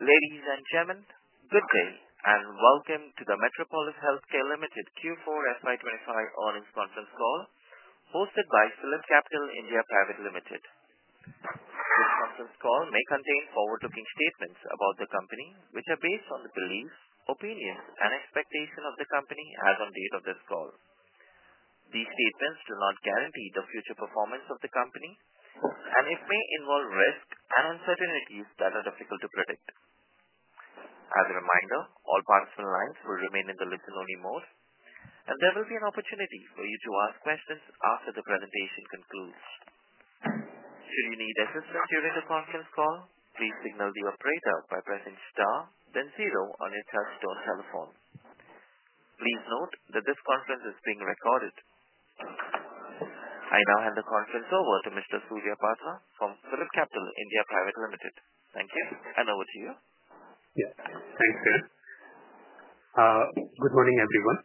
Ladies and gentlemen, good day and welcome to the Metropolis Healthcare Limited Q4 FY25 earnings conference call hosted by PhilipCapital India Pvt Ltd. This conference call may contain forward-looking statements about the company, which are based on the beliefs, opinions, and expectations of the company as of the date of this call. These statements do not guarantee the future performance of the company, and it may involve risks and uncertainties that are difficult to predict. As a reminder, all participant lines will remain in the listen-only mode, and there will be an opportunity for you to ask questions after the presentation concludes. Should you need assistance during the conference call, please signal the operator by pressing star, then zero on your [touch screen] telephone. Please note that this conference is being recorded. I now hand the conference over to Mr. Surya Patra from PhilipCapital India Pvt Ltd. Thank you, and over to you. Yes, thanks, sir. Good morning, everyone.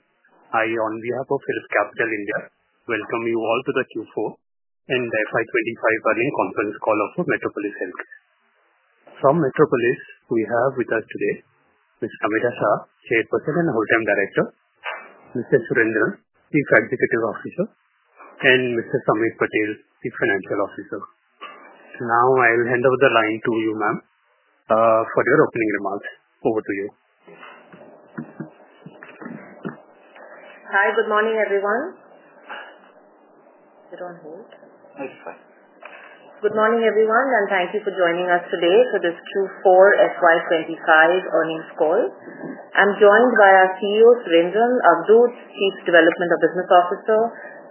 I, on behalf of PhilipCapital India, welcome you all to the Q4 and FY25 earnings conference call of Metropolis Health. From Metropolis, we have with us today Ms. Ameera Shah, Chairperson and Whole-Time Director, Mr. Surendran, Chief Executive Officer, and Mr. Sameer Patel, Chief Financial Officer. Now I will hand over the line to you, ma'am, for your opening remarks. Over to you. Hi, good morning, everyone. Is it on hold? It's fine. Good morning, everyone, and thank you for joining us today for this Q4 FY25 earnings call. I'm joined by our CEO, Surendran, [our growth] Chief Development Business Officer,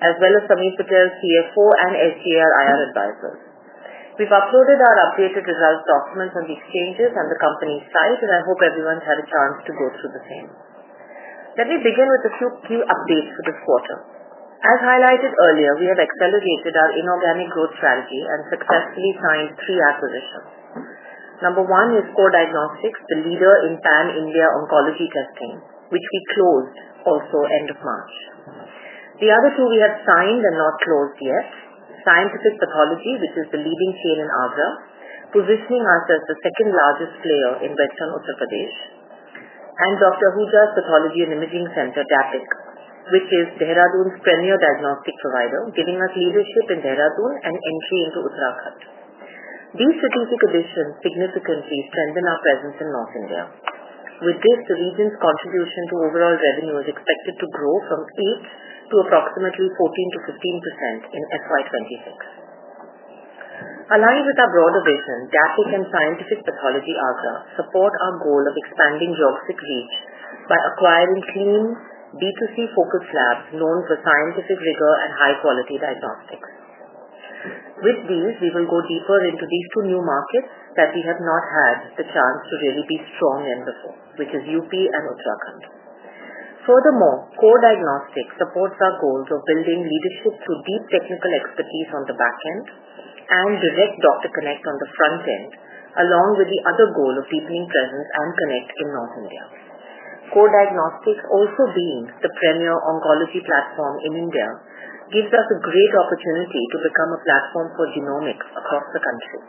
as well as SameerPatel, CFO, and SGL IR Advisor. We've uploaded our updated results documents on the exchanges and the company's site, and I hope everyone's had a chance to go through the same. Let me begin with a few key updates for this quarter. As highlighted earlier, we have accelerated our inorganic growth strategy and successfully signed three acquisitions. Number one is Core Diagnostics, the leader in pan-India oncology testing, which we closed also end of March. The other two we have signed and not closed yet: Scientific Pathology, which is the leading chain in Agra, positioning us as the second-largest player in Western Uttar Pradesh, and Dr. Ahuja's Pathology & Imaging Centre, DAPIC, which is Dehradun's premier diagnostic provider, giving us leadership in Dehradun and entry into Uttarakhand. These strategic additions significantly strengthen our presence in North India. With this, the region's contribution to overall revenue is expected to grow from 8% to approximately 14%-15% in FY26. Aligned with our broader vision, DAPIC and Scientific Pathology Agra support our goal of expanding geographic reach by acquiring clean B2C-focused labs known for scientific rigor and high-quality diagnostics. With these, we will go deeper into these two new markets that we have not had the chance to really be strong in before, which is U.P. and Uttarakhand. Furthermore, Core Diagnostics supports our goals of building leadership through deep technical expertise on the back end and direct doctor connect on the front end, along with the other goal of deepening presence and connect in North India. Core Diagnostics, also being the premier oncology platform in India, gives us a great opportunity to become a platform for genomics across the country.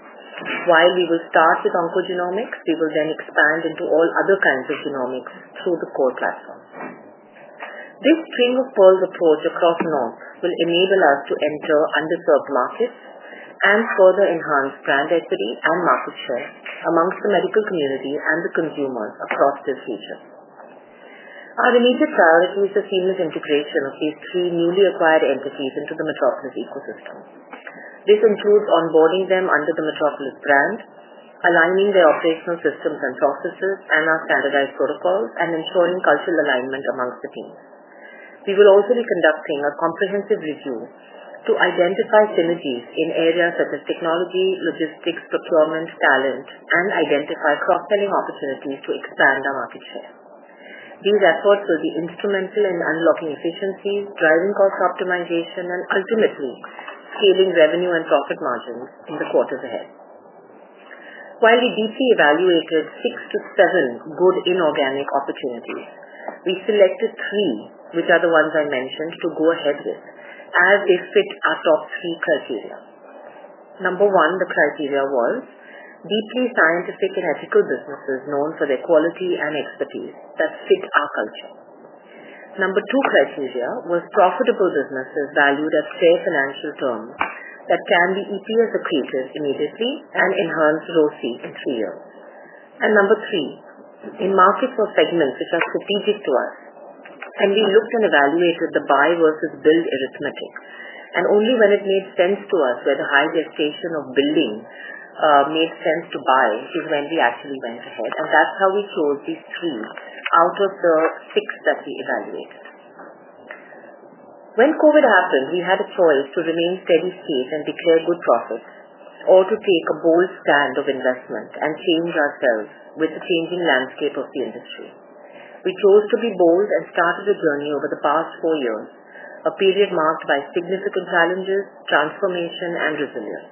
While we will start with oncogenomics, we will then expand into all other kinds of genomics through the Core platform. This string of pearls approach across North will enable us to enter underserved markets and further enhance brand equity and market share amongst the medical community and the consumers across this region. Our immediate priority is the seamless integration of these three newly acquired entities into the Metropolis ecosystem. This includes onboarding them under the Metropolis brand, aligning their operational systems and processes and our standardized protocols, and ensuring cultural alignment amongst the team. We will also be conducting a comprehensive review to identify synergies in areas such as technology, logistics, procurement, talent, and identify cross-selling opportunities to expand our market share. These efforts will be instrumental in unlocking efficiencies, driving cost optimization, and ultimately scaling revenue and profit margins in the quarters ahead. While we deeply evaluated six to seven good inorganic opportunities, we selected three, which are the ones I mentioned, to go ahead with as they fit our top three criteria. Number one, the criteria was deeply scientific and ethical businesses known for their quality and expertise that fit our culture. Number two criteria was profitable businesses valued at fair financial terms that can be EPS accretive immediately and enhance ROSI in three years. Number three, in markets or segments which are strategic to us, we looked and evaluated the buy versus build arithmetic. Only when it made sense to us where the high gestation of building made sense to buy is when we actually went ahead. That's how we chose these three out of the six that we evaluated. When COVID happened, we had a choice to remain steady state and declare good profit or to take a bold stand of investment and change ourselves with the changing landscape of the industry. We chose to be bold and started a journey over the past four years, a period marked by significant challenges, transformation, and resilience.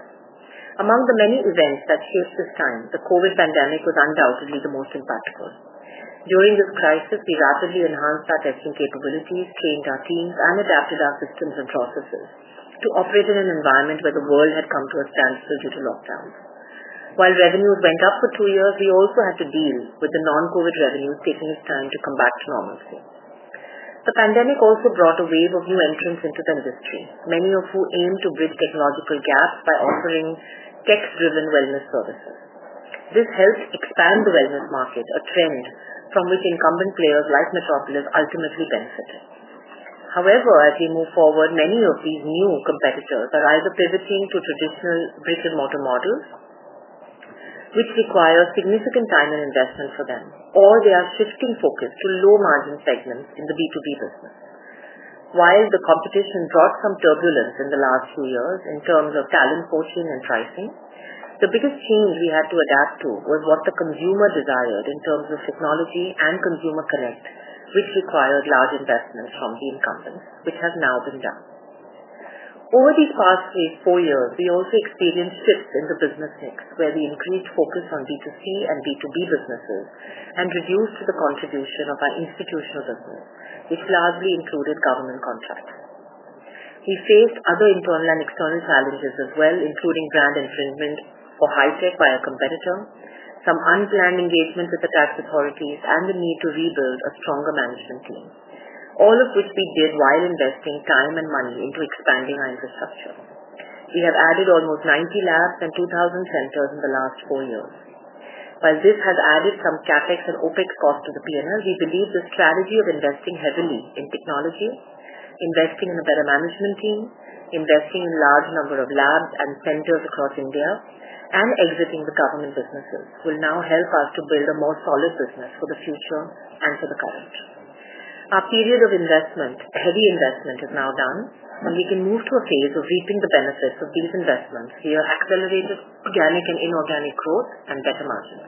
Among the many events that shaped this time, the COVID pandemic was undoubtedly the most impactful. During this crisis, we rapidly enhanced our testing capabilities, trained our teams, and adapted our systems and processes to operate in an environment where the world had come to a standstill due to lockdowns. While revenues went up for two years, we also had to deal with the non-COVID revenues taking its time to come back to normalcy. The pandemic also brought a wave of new entrants into the industry, many of whom aimed to bridge technological gaps by offering tech-driven wellness services. This helped expand the wellness market, a trend from which incumbent players like Metropolis ultimately benefited. However, as we move forward, many of these new competitors are either pivoting to traditional brick-and-mortar models, which require significant time and investment for them, or they are shifting focus to low-margin segments in the B2B business. While the competition brought some turbulence in the last few years in terms of talent poaching and pricing, the biggest change we had to adapt to was what the consumer desired in terms of technology and consumer connect, which required large investments from the incumbents, which has now been done. Over these past three to four years, we also experienced shifts in the business mix where we increased focus on B2C and B2B businesses and reduced the contribution of our institutional business, which largely included government contracts. We faced other internal and external challenges as well, including brand infringement for high-tech by a competitor, some unplanned engagements with the tax authorities, and the need to rebuild a stronger management team, all of which we did while investing time and money into expanding our infrastructure. We have added almost 90 labs and 2,000 centers in the last four years. While this has added some CapEx and OpEx cost to the P&L, we believe the strategy of investing heavily in technology, investing in a better management team, investing in a large number of labs and centers across India, and exiting the government businesses will now help us to build a more solid business for the future and for the current. Our period of investment, heavy investment, is now done, and we can move to a phase of reaping the benefits of these investments via accelerated organic and inorganic growth and better margins.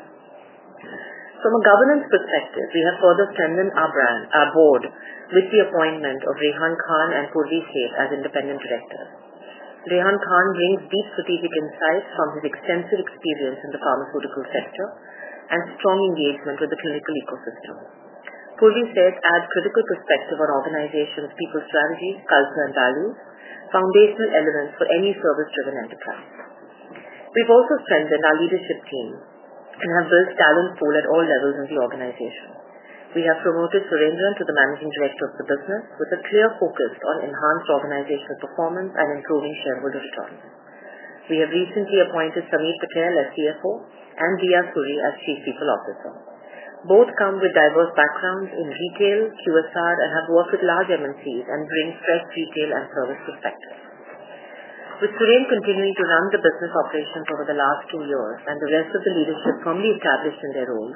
From a governance perspective, we have further strengthened our board with the appointment of Rehan Khan and Purvi Seth as independent directors. Rehan Khan brings deep strategic insights from his extensive experience in the pharmaceutical sector and strong engagement with the clinical ecosystem. Purvi Seth adds critical perspective on organizations, people's strategies, culture, and values, foundational elements for any service-driven enterprise. We've also strengthened our leadership team and have built talent pool at all levels in the organization. We have promoted Surendran to the Managing Director of the business with a clear focus on enhanced organizational performance and improving shareholder returns. We have recently appointed Sameer Patel as CFO and Diya Suri as Chief People Officer. Both come with diverse backgrounds in retail, QSR, and have worked with large MNCs and bring fresh retail and service perspectives. With Surendran continuing to run the business operations over the last two years and the rest of the leadership firmly established in their roles,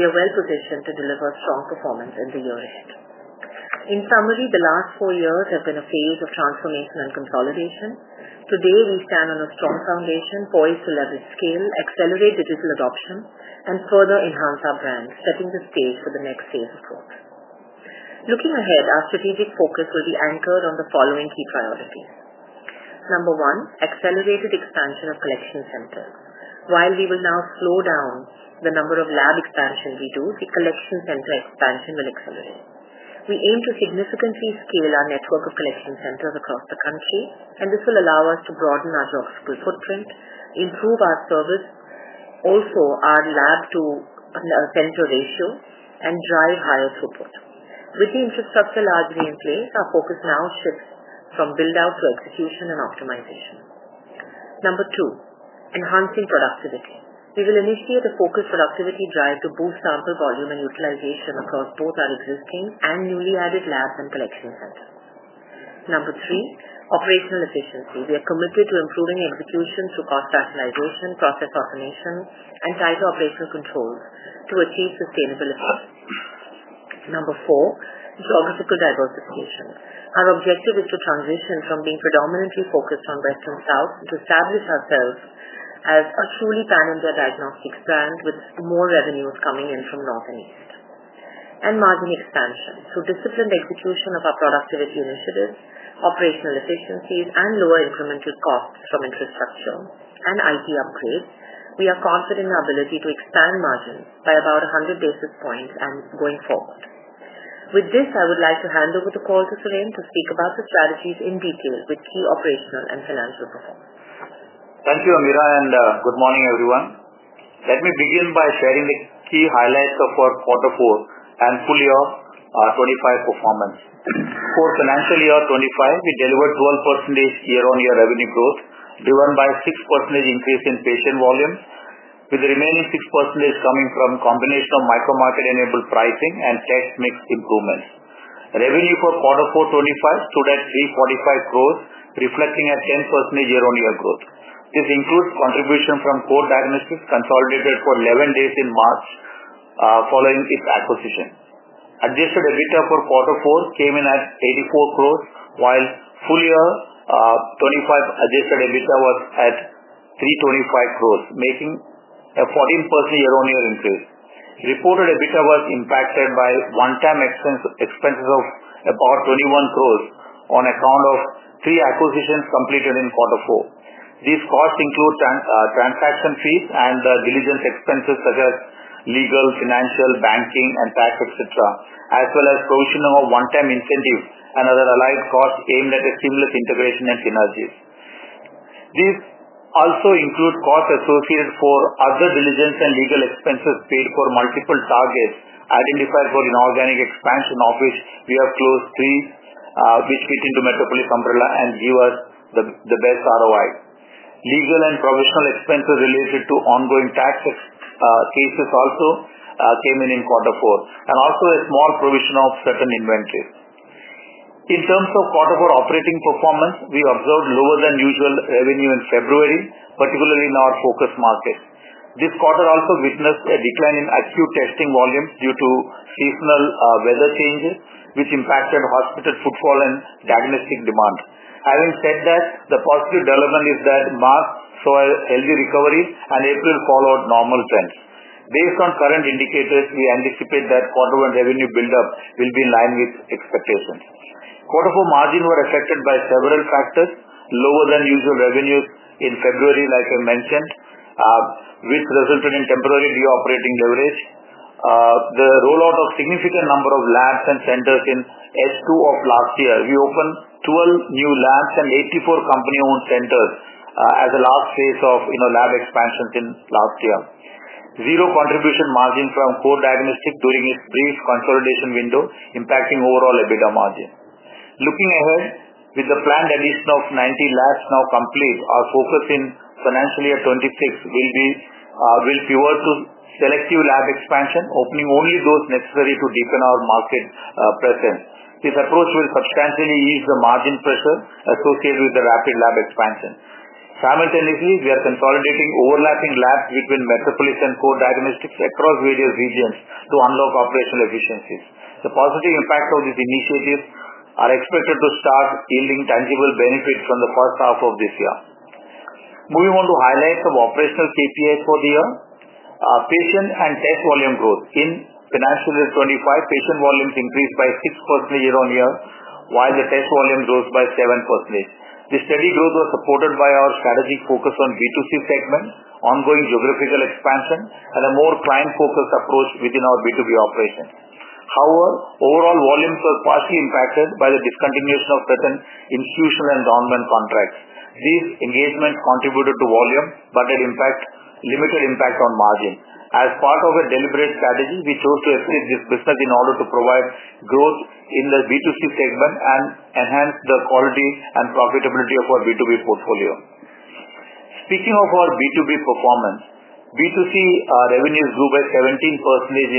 we are well positioned to deliver strong performance in the year ahead. In summary, the last four years have been a phase of transformation and consolidation. Today, we stand on a strong foundation, poised to leverage scale, accelerate digital adoption, and further enhance our brand, setting the stage for the next phase of growth. Looking ahead, our strategic focus will be anchored on the following key priorities. Number one, accelerated expansion of collection centers. While we will now slow down the number of lab expansions we do, the collection center expansion will accelerate. We aim to significantly scale our network of collection centers across the country, and this will allow us to broaden our geographical footprint, improve our service, also our lab-to-center ratio, and drive higher throughput. With the infrastructure largely in place, our focus now shifts from build-out to execution and optimization. Number two, enhancing productivity. We will initiate a focused productivity drive to boost sample volume and utilization across both our existing and newly added labs and collection centers. Number three, operational efficiency. We are committed to improving execution through cost rationalization, process automation, and tighter operational controls to achieve sustainability. Number four, geographical diversification. Our objective is to transition from being predominantly focused on Western South to establish ourselves as a truly pan-India diagnostics brand with more revenues coming in from North and East. Margin expansion. Through disciplined execution of our productivity initiatives, operational efficiencies, and lower incremental costs from infrastructure and IT upgrades, we are confident in our ability to expand margins by about 100 basis points going forward. With this, I would like to hand over the call to Surendran to speak about the strategies in detail with key operational and financial performance. Thank you, Ameera, and good morning, everyone. Let me begin by sharing the key highlights of our quarter four and full year 2025 performance. For financial year 2025, we delivered 12% year-on-year revenue growth driven by 6% increase in patient volumes, with the remaining 6% coming from combination of micro-market-enabled pricing and tech-mixed improvements. Revenue for quarter four 2025 stood at 345 crore, reflecting a 10% year-on-year growth. This includes contribution from Core Diagnostics consolidated for 11 days in March following its acquisition. Adjusted EBITDA for quarter four came in at 84 crore, while full year 2025 adjusted EBITDA was at 325 crore, making a 14% year-on-year increase. Reported EBITDA was impacted by one-time expenses of about 21 crore on account of three acquisitions completed in quarter four. These costs include transaction fees and diligence expenses such as legal, financial, banking, and tax, etc., as well as provisioning of one-time incentives and other allied costs aimed at seamless integration and synergies. These also include costs associated for other diligence and legal expenses paid for multiple targets identified for inorganic expansion, of which we have closed three, which fit into Metropolis umbrella and give us the best ROI. Legal and provisional expenses related to ongoing tax cases also came in in quarter four, and also a small provision of certain inventories. In terms of quarter four operating performance, we observed lower than usual revenue in February, particularly in our focus market. This quarter also witnessed a decline in acute testing volumes due to seasonal weather changes, which impacted hospital footfall and diagnostic demand. Having said that, the positive development is that March saw a healthy recovery and April followed normal trends. Based on current indicators, we anticipate that quarter one revenue build-up will be in line with expectations. Quarter four margins were affected by several factors: lower than usual revenues in February, like I mentioned, which resulted in temporary de-operating leverage. The rollout of a significant number of labs and centers in S2 of last year. We opened 12 new labs and 84 company-owned centers as the last phase of lab expansions in last year. Zero contribution margin from Core Diagnostics during its brief consolidation window, impacting overall EBITDA margin. Looking ahead, with the planned addition of 90 labs now complete, our focus in financial year 2026 will pivot to selective lab expansion, opening only those necessary to deepen our market presence. This approach will substantially ease the margin pressure associated with the rapid lab expansion. Simultaneously, we are consolidating overlapping labs between Metropolis and Core Diagnostics across various regions to unlock operational efficiencies. The positive impacts of this initiative are expected to start yielding tangible benefits from the first half of this year. Moving on to highlights of operational KPIs for the year, patient and test volume growth. In financial year 2025, patient volumes increased by 6% year-on-year, while the test volume grows by 7%. This steady growth was supported by our strategic focus on the B2C segment, ongoing geographical expansion, and a more client-focused approach within our B2B operations. However, overall volumes were partially impacted by the discontinuation of certain institutional and government contracts. These engagements contributed to volume but had limited impact on margin. As part of a deliberate strategy, we chose to exit this business in order to provide growth in the B2C segment and enhance the quality and profitability of our B2B portfolio. Speaking of our B2B performance, B2C revenues grew by 17%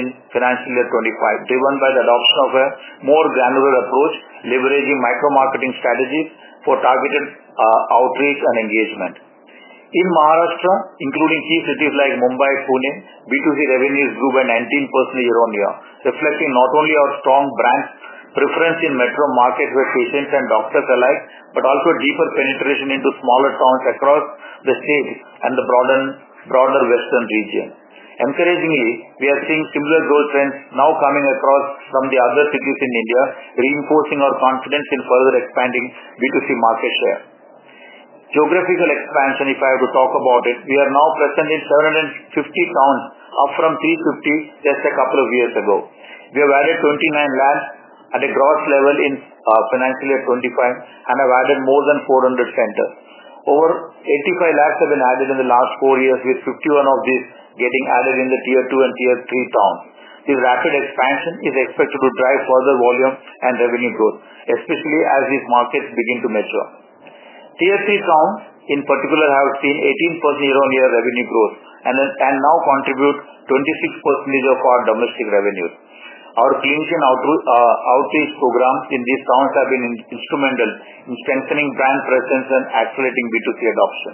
in financial year 2025, driven by the adoption of a more granular approach, leveraging micro-marketing strategies for targeted outreach and engagement. In Maharashtra, including key cities like Mumbai, Pune, B2C revenues grew by 19% year-on-year, reflecting not only our strong brand preference in metro markets where patients and doctors alike, but also deeper penetration into smaller towns across the state and the broader Western region. Encouragingly, we are seeing similar growth trends now coming across from the other cities in India, reinforcing our confidence in further expanding B2C market share. Geographical expansion, if I have to talk about it, we are now present in 750 towns, up from 350 just a couple of years ago. We have added 29 labs at a gross level in financial year 2025 and have added more than 400 centers. Over 85 labs have been added in the last four years, with 51 of these getting added in the tier two and tier three towns. This rapid expansion is expected to drive further volume and revenue growth, especially as these markets begin to mature. Tier three towns, in particular, have seen 18% year-on-year revenue growth and now contribute 26% of our domestic revenue. Our clinician outreach programs in these towns have been instrumental in strengthening brand presence and accelerating B2C adoption.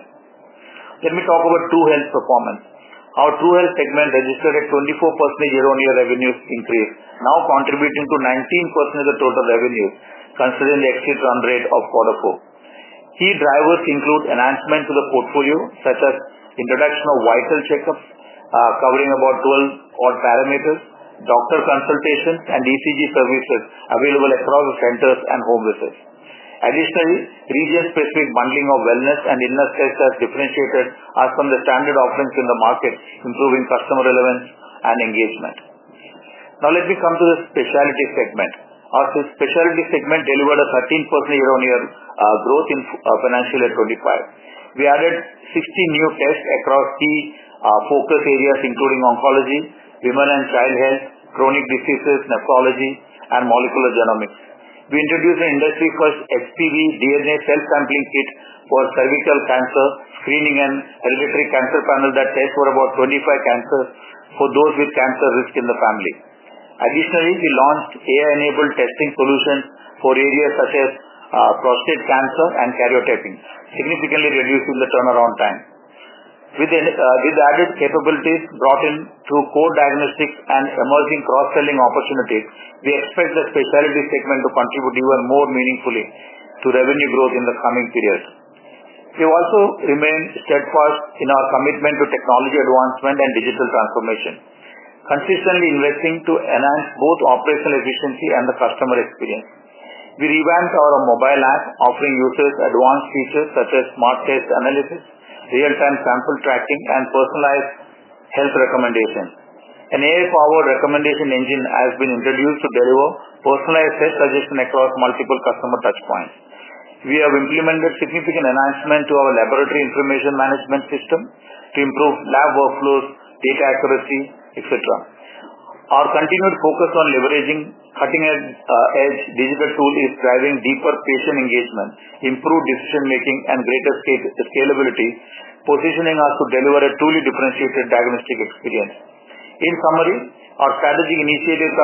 Let me talk about True Health performance. Our True Health segment registered a 24% year-on-year revenue increase, now contributing to 19% of total revenue, considering the exit run rate of quarter four. Key drivers include enhancement to the portfolio, such as introduction of Vital Checkups covering about 12 odd parameters, doctor consultations, and ECG services available across the centers and home visits. Additionally, region-specific bundling of wellness and illness tests has differentiated us from the standard offerings in the market, improving customer relevance and engagement. Now, let me come to the specialty segment. Our Specialty Segment delivered a 13% year-on-year growth in financial year 2025. We added 60 new tests across key focus areas, including oncology, women and child health, chronic diseases, nephrology, and molecular genomics. We introduced an industry-first HPV DNA self-sampling kit for cervical cancer screening and hereditary cancer panels that test for about 25 cancers for those with cancer risk in the family. Additionally, we launched AI-enabled testing solutions for areas such as prostate cancer and karyotyping, significantly reducing the turnaround time. With the added capabilities brought in through Core Diagnostics and emerging cross-selling opportunities, we expect the specialty segment to contribute even more meaningfully to revenue growth in the coming period. We also remain steadfast in our commitment to technology advancement and digital transformation, consistently investing to enhance both operational efficiency and the customer experience. We revamped our mobile app, offering users advanced features such as smart test analysis, real-time sample tracking, and personalized health recommendations. An AI-powered recommendation engine has been introduced to deliver personalized test suggestion across multiple customer touchpoints. We have implemented significant enhancements to our laboratory information management system to improve lab workflows, data accuracy, etc. Our continued focus on leveraging cutting-edge digital tools is driving deeper patient engagement, improved decision-making, and greater scalability, positioning us to deliver a truly differentiated diagnostic experience. In summary, our strategic initiatives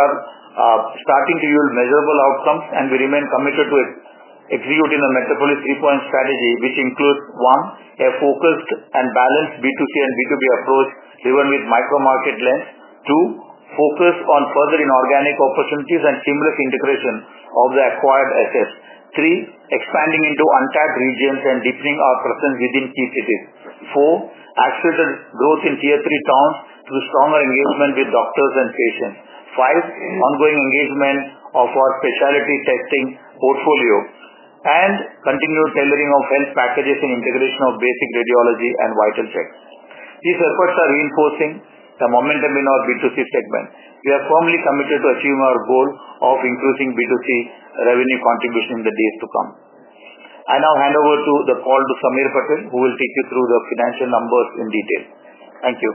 are starting to yield measurable outcomes, and we remain committed to executing a Metropolis three point strategy, which includes: one, a focused and balanced B2C and B2B approach driven with micro-market lens; two, focus on further inorganic opportunities and seamless integration of the acquired assets; three, expanding into untapped regions and deepening our presence within key cities; four, accelerated growth in tier three towns through stronger engagement with doctors and patients; five, ongoing engagement of our specialty testing portfolio; and continued tailoring of health packages and integration of basic radiology and vital checks. These efforts are reinforcing the momentum in our B2C segment. We are firmly committed to achieving our goal of increasing B2C revenue contribution in the days to come. I now hand over the call to Sameer Patel, who will take you through the financial numbers in detail. Thank you.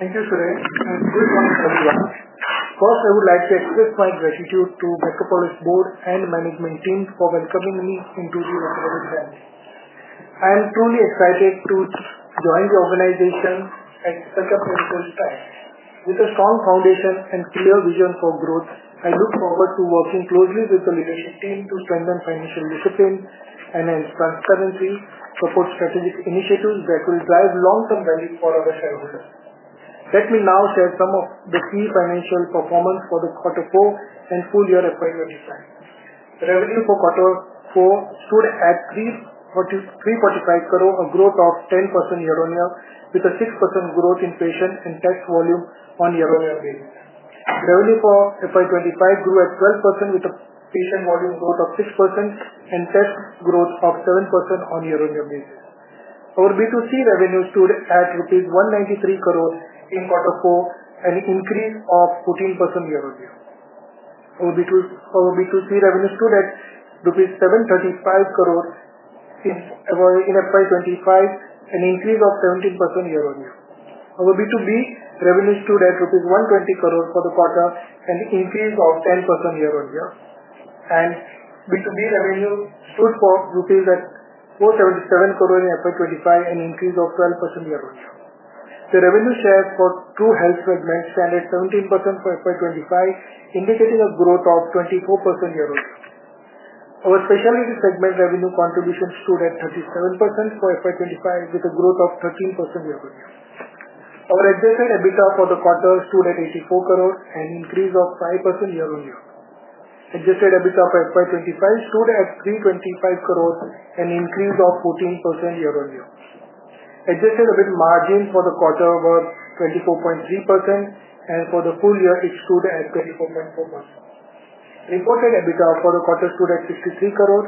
Thank you, Suren. Good morning, everyone. First, I would like to express my gratitude to the Metropolis Board and management team for welcoming me into Metropolis Health. I am truly excited to join the organization at such a [precious time]. With a strong foundation and clear vision for growth, I look forward to working closely with the leadership team to strengthen financial discipline and transparency, support strategic initiatives that will drive long-term value for our shareholders. Let me now share some of the key financial performance for quarter four and full year FY25. Revenue for quarter four stood at 345 crore, a growth of 10% year-on-year, with a 6% growth in patient and test volume on a year-on-year basis. Revenue for FY25 grew at 12%, with a patient volume growth of 6% and test growth of 7% on a year-on-year basis. Our B2C revenue stood at rupees 193 crore in quarter four, an increase of 14% year-on-year. Our B2C revenue stood at INR 735 crore in FY25, an increase of 17% year-on-year. Our B2B revenue stood at rupees 120 crore for the quarter, an increase of 10% year-on-year. B2B revenue stood at 477 crore rupees in FY25, an increase of 12% year-on-year. The revenue share for True Health segment stands at 17% for FY25, indicating a growth of 24% year-on-year. Our specialty segment revenue contribution stood at 37% for FY25, with a growth of 13% year-on-year. Our adjusted EBITDA for the quarter stood at 84 crore, an increase of 5% year-on-year. Adjusted EBITDA for FY25 stood at 325 crore, an increase of 14% year-on-year. Adjusted EBITDA margin for the quarter was 24.3%, and for the full year, it stood at 24.4%. Reported EBITDA for the quarter stood at 63 crore.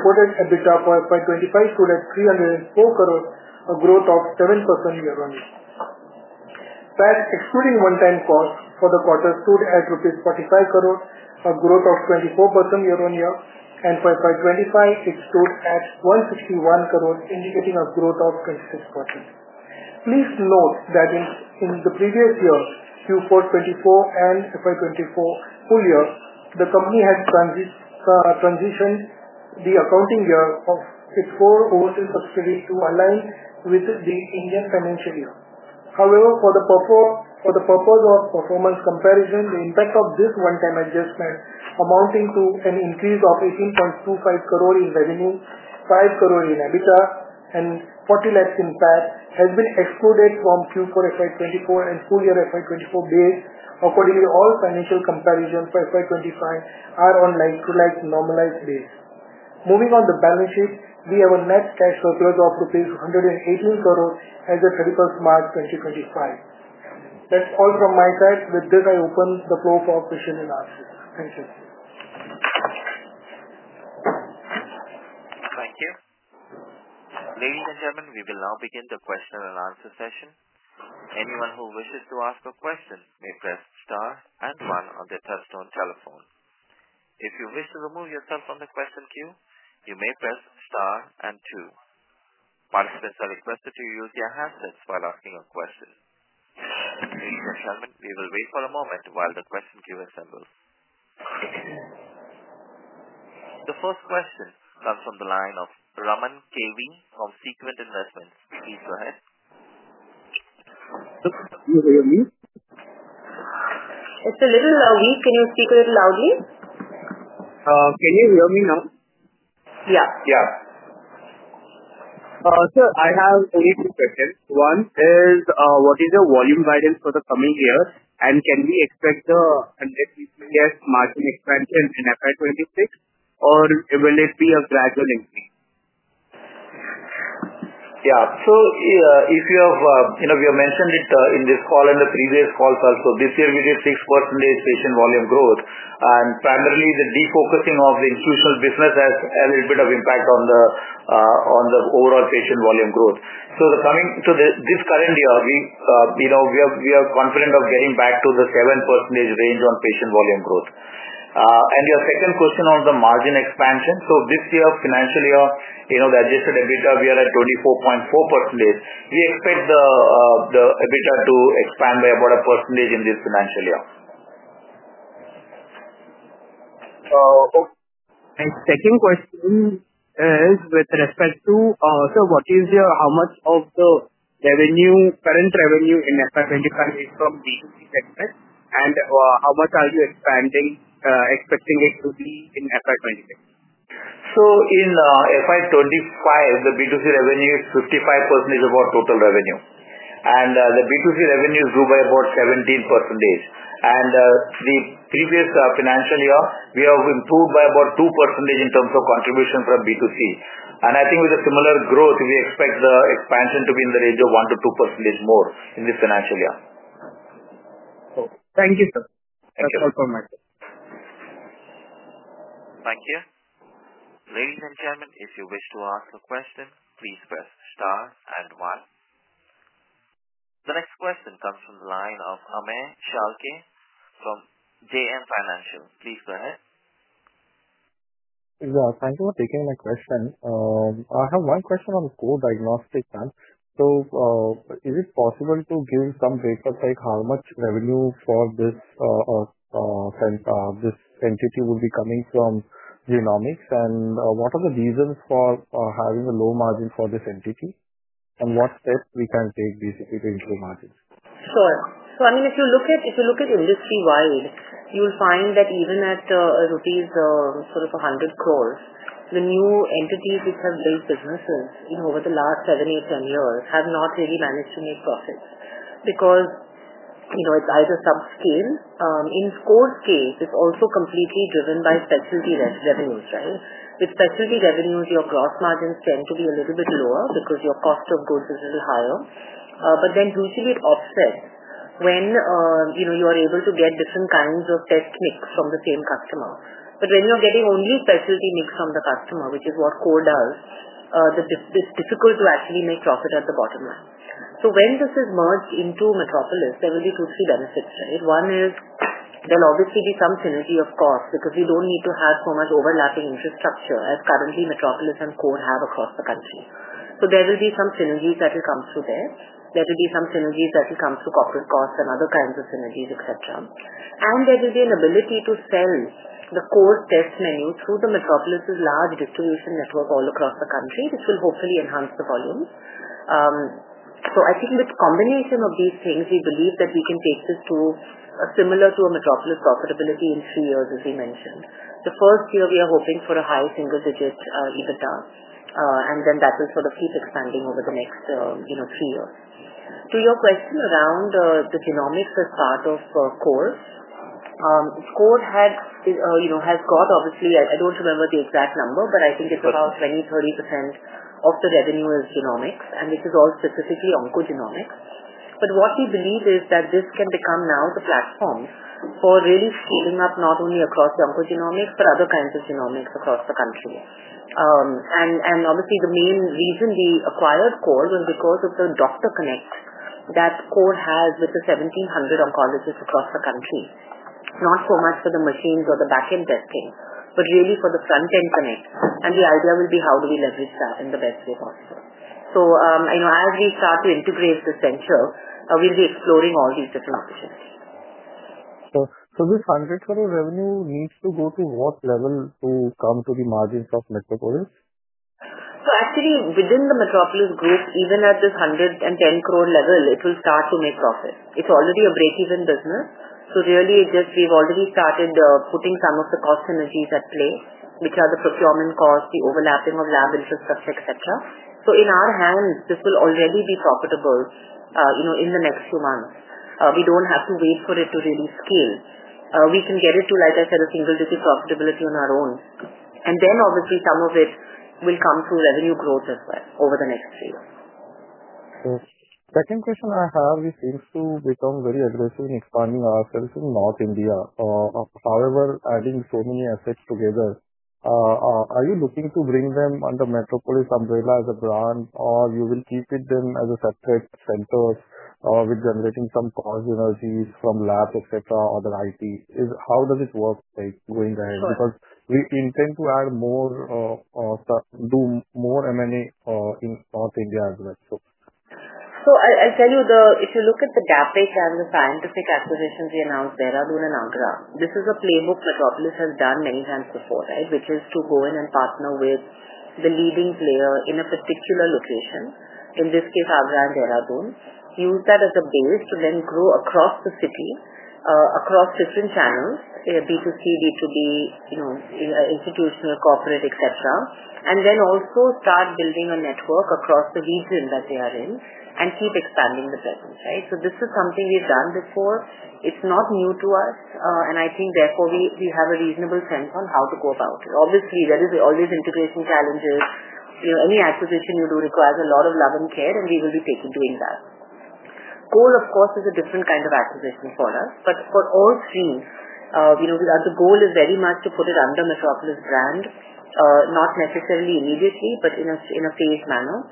Reported EBITDA for FY25 stood at 304 crore, a growth of 7% year-on-year. That excluding one-time cost for the quarter stood at INR 45 crore, a growth of 24% year-on-year, and for FY25, it stood at 161 crore, indicating a growth of 26%. Please note that in the previous year, Q4 2024 and FY24 full year, the company had transitioned the accounting year of its four overseas subsidiaries to align with the Indian financial year. However, for the purpose of performance comparison, the impact of this one-time adjustment, amounting to an increase of 18.25 crore in revenue, 5 crore in EBITDA, and 0.4 crore in PAT, has been excluded from Q4 FY24 and full year FY24 base. Accordingly, all financial comparisons for FY25 are on like-to-like normalized base. Moving on the balance sheet, we have a net cash surplus of INR 118 crore as of 31st March 2025. That's all from my side. With this, I open the floor for question and answers. Thank you. Thank you. Ladies and gentlemen, we will now begin the question and answer session. Anyone who wishes to ask a question may press star and one on the touchstone telephone. If you wish to remove yourself from the question queue, you may press star and two. Participants are requested to use their handsets while asking a question. Ladies and gentlemen, we will wait for a moment while the question queue assembles. The first question comes from the line of Raman KV from Sequent Investment. Please go ahead. You hear me? It's a little weak. Can you speak a little loudly? Can you hear me now? Yeah. Yeah. Sir, I have only two questions. One is, what is your volume guidance for the coming year? Can we expect the 150 basis points margin expansion in FY26, or will it be a gradual increase? Yeah. If you have mentioned it in this call and the previous calls also, this year we did 6% patient volume growth. Primarily, the defocusing of the institutional business has a little bit of impact on the overall patient volume growth. Coming to this current year, we are confident of getting back to the 7% range on patient volume growth. Your second question on the margin expansion. This year, financial year, the adjusted EBITDA, we are at 24.4%. We expect the EBITDA to expand by about a percentage point in this financial year. My second question is with respect to, sir, what is your how much of the revenue, current revenue in FY25, is from B2C segment? And how much are you expecting it to be in FY26? In FY25, the B2C revenue is 55% of our total revenue. The B2C revenue grew by about 17%. In the previous financial year, we have improved by about 2% in terms of contribution from B2C. I think with a similar growth, we expect the expansion to be in the range of 1%-2% more in this financial year. Thank you, sir. Thank you so much. Thank you. Ladies and gentlemen, if you wish to ask a question, please press star and one. The next question comes from the line of Amey Chalke from JN Financial. Please go ahead. Thank you for taking my question. I have one question on True Diagnostics. Is it possible to give some breakup, like how much revenue for this entity would be coming from genomics? What are the reasons for having a low margin for this entity? What steps can we take, basically, to increase margins? Sure. I mean, if you look at industry-wide, you'll find that even at 100 crore, the new entities which have built businesses over the last 7/8/10 years have not really managed to make profits because it's either subscale. In core scale, it's also completely driven by specialty revenues, right? With specialty revenues, your gross margins tend to be a little bit lower because your cost of goods is a little higher. But then usually, it offsets when you are able to get different kinds of test mix from the same customer. When you're getting only specialty mix from the customer, which is what Core does, it's difficult to actually make profit at the bottom line. When this is merged into Metropolis, there will be two, three benefits, right? One is there will obviously be some synergy of cost because you do not need to have so much overlapping infrastructure as currently Metropolis and Core have across the country. There will be some synergies that will come through there. There will be some synergies that will come through corporate costs and other kinds of synergies, etc. There will be an ability to sell the Core test menu through Metropolis's large distribution network all across the country, which will hopefully enhance the volume. I think with the combination of these things, we believe that we can take this to similar to a Metropolis profitability in three years, as we mentioned. The first year, we are hoping for a high single-digit EBITDA, and then that will sort of keep expanding over the next three years. To your question around the genomics as part of Core, Core has got obviously I do not remember the exact number, but I think it is about 20%-30% of the revenue is genomics, and this is all specifically oncogenomics. What we believe is that this can become now the platform for really scaling up not only across the oncogenomics but other kinds of genomics across the country. Obviously, the main reason we acquired Core was because of the doctor connect that Core has with the 1,700 oncologists across the country, not so much for the machines or the back-end testing, but really for the front-end connect. The idea will be how do we leverage that in the best way possible. As we start to integrate the central, we will be exploring all these different opportunities. This 100 crore revenue needs to go to what level to come to the margins of Metropolis? Actually, within the Metropolis group, even at this 110 crore level, it will start to make profit. It's already a break-even business. Really, we've already started putting some of the cost synergies at play, which are the procurement costs, the overlapping of lab infrastructure, etc. In our hands, this will already be profitable in the next few months. We don't have to wait for it to really scale. We can get it to, like I said, a single-digit profitability on our own. Obviously, some of it will come through revenue growth as well over the next three years. Second question I have is, since we've become very aggressive in expanding ourselves in North India, however, adding so many assets together, are you looking to bring them under Metropolis umbrella as a brand, or you will keep them as a separate center with generating some cost synergies from labs, etc., other IT? How does it work going ahead? Because we intend to add more or do more M&A in North India as well. I'll tell you, if you look at the gap we have in the Scientific acquisitions we announced there, Dehradun and Agra, this is a playbook Metropolis has done many times before, right, which is to go in and partner with the leading player in a particular location, in this case, Agra and Dehradun, use that as a base to then grow across the city, across different channels, B2C, B2B, institutional, corporate, etc., and then also start building a network across the region that they are in and keep expanding the presence, right? This is something we've done before. It's not new to us, and I think therefore we have a reasonable sense on how to go about it. Obviously, there are always integration challenges. Any acquisition you do requires a lot of love and care, and we will be doing that. Core, of course, is a different kind of acquisition for us. For all three, the goal is very much to put it under Metropolis brand, not necessarily immediately, but in a phased manner.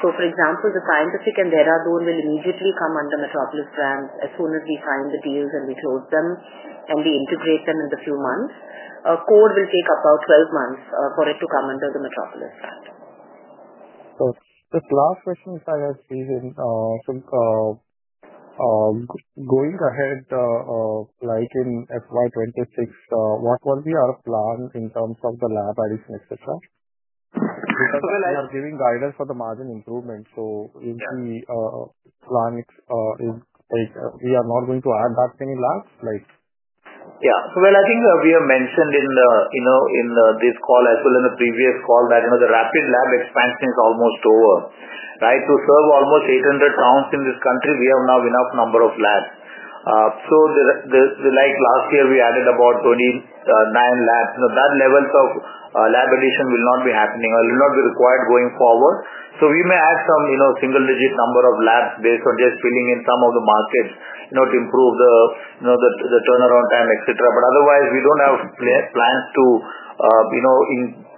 For example, the Scientific and Dehradun will immediately come under Metropolis brand as soon as we find the deals and we close them and we integrate them in the few months. Core will take about 12 months for it to come under the Metropolis brand. This last question, if I have to leave it, going ahead like in FY26, what will be our plan in terms of the lab addition, etc.? Because we are giving guidance for the margin improvement. If the plan is we are not going to add that many labs, like. Yeah. I think we have mentioned in this call as well in the previous call that the rapid lab expansion is almost over, right? To serve almost 800 towns in this country, we have now enough number of labs. Like last year, we added about 29 labs. That level of lab addition will not be happening or will not be required going forward. We may add some single-digit number of labs based on just filling in some of the markets to improve the turnaround time, etc. Otherwise, we do not have plans to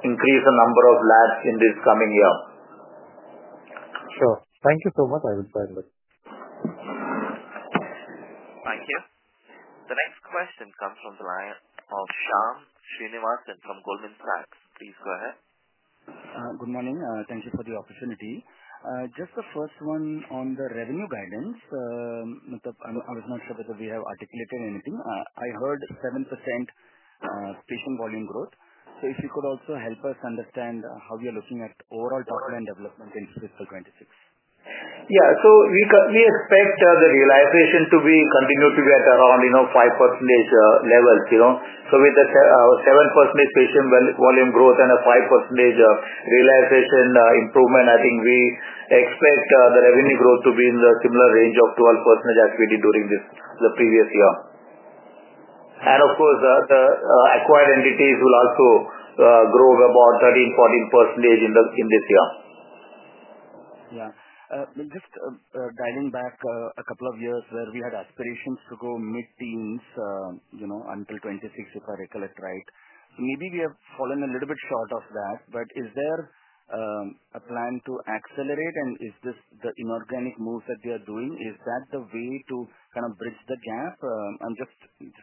increase the number of labs in this coming year. Sure. Thank you so much. I will try my best. Thank you. The next question comes from the line of Shyam Srinivasan from Goldman Sachs. Please go ahead. Good morning. Thank you for the opportunity. Just the first one on the revenue guidance, I was not sure whether we have articulated anything. I heard 7% patient volume growth. If you could also help us understand how you are looking at overall top-line development in FY26. Yeah. We expect the realization to continue to be at around 5% levels. With the 7% patient volume growth and a 5% realization improvement, I think we expect the revenue growth to be in the similar range of 12% as we did during the previous year. Of course, the acquired entities will also grow about 13%-14% in this year. Yeah. Just dialing back a couple of years where we had aspirations to go mid-teens until 2026, if I recollect right. Maybe we have fallen a little bit short of that. Is there a plan to accelerate? Is this the inorganic moves that they are doing? Is that the way to kind of bridge the gap? I'm just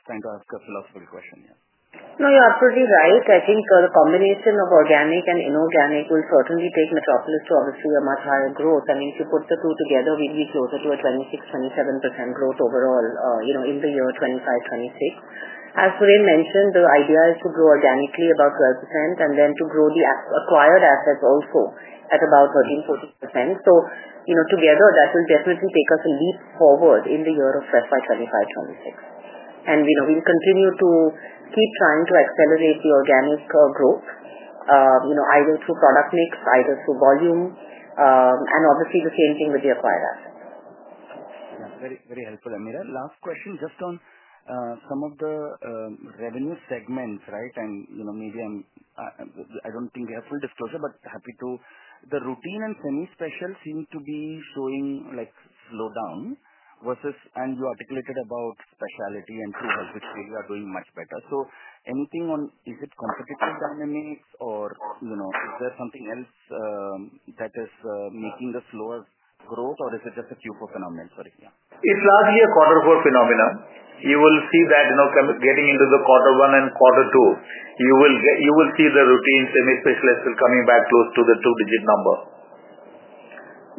trying to ask a philosophical question. Yeah. No, you're absolutely right. I think the combination of organic and inorganic will certainly take Metropolis to obviously a much higher growth. I mean, if you put the two together, we'll be closer to a 26%-27% growth overall in the year 2025-2026. As Suren mentioned, the idea is to grow organically about 12% and then to grow the acquired assets also at about 13%-14%. Together, that will definitely take us a leap forward in the year of FY25-26. We'll continue to keep trying to accelerate the organic growth, either through product mix, either through volume, and obviously the same thing with the acquired assets. Very helpful. Ameera, last question just on some of the revenue segments, right? Maybe I do not think we have full disclosure, but happy to. The routine and semi-special seem to be showing slowdown versus, and you articulated about specialty and True Health, which they are doing much better. So anything on, is it competitive dynamics, or is there something else that is making the slower growth, or is it just a Q4 phenomena? Sorry. Yeah. It's largely a quarter four phenomenon. You will see that getting into the quarter one and quarter two, you will see the routine semi-specialists still coming back close to the two-digit number.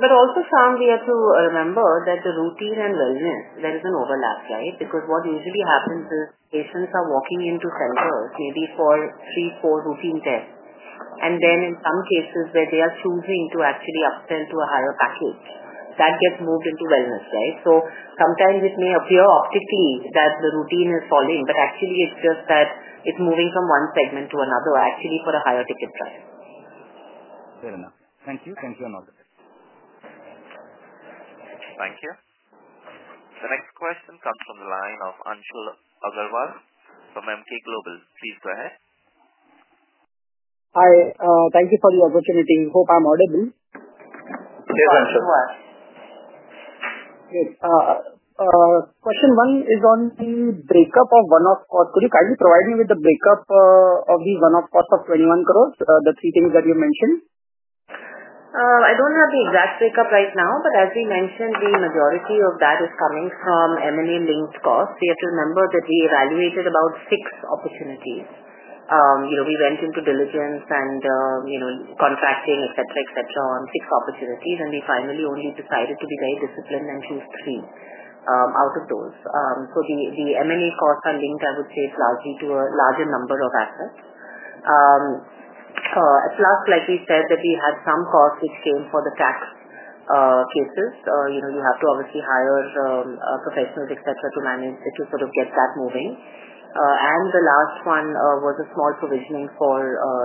Also, Sam, we have to remember that the routine and wellness, there is an overlap, right? Because what usually happens is patients are walking into centers, maybe for three, four routine tests. And then in some cases where they are choosing to actually upsell to a higher package, that gets moved into wellness, right? Sometimes it may appear optically that the routine is falling, but actually it is just that it is moving from one segment to another, actually for a higher ticket price. Fair enough. Thank you. Thank you, another. Thank you. The next question comes from the line of Anshul Agrawal from Emkay Global. Please go ahead. Hi. Thank you for the opportunity. Hope I'm audible. Yes you are, Anshul. Question one is on the breakup of one-off cost. Could you kindly provide me with the breakup of the one-off cost of 21 crore, the three things that you mentioned? I don't have the exact breakup right now, but as we mentioned, the majority of that is coming from M&A-linked costs. We have to remember that we evaluated about six opportunities. We went into diligence and contracting, etc., etc., on six opportunities, and we finally only decided to be very disciplined and choose three out of those. The M&A costs are linked, I would say, largely to a larger number of assets. Plus, like we said, we had some costs which came for the tax cases. You have to obviously hire professionals, etc., to manage it, to sort of get that moving. The last one was a small provisioning for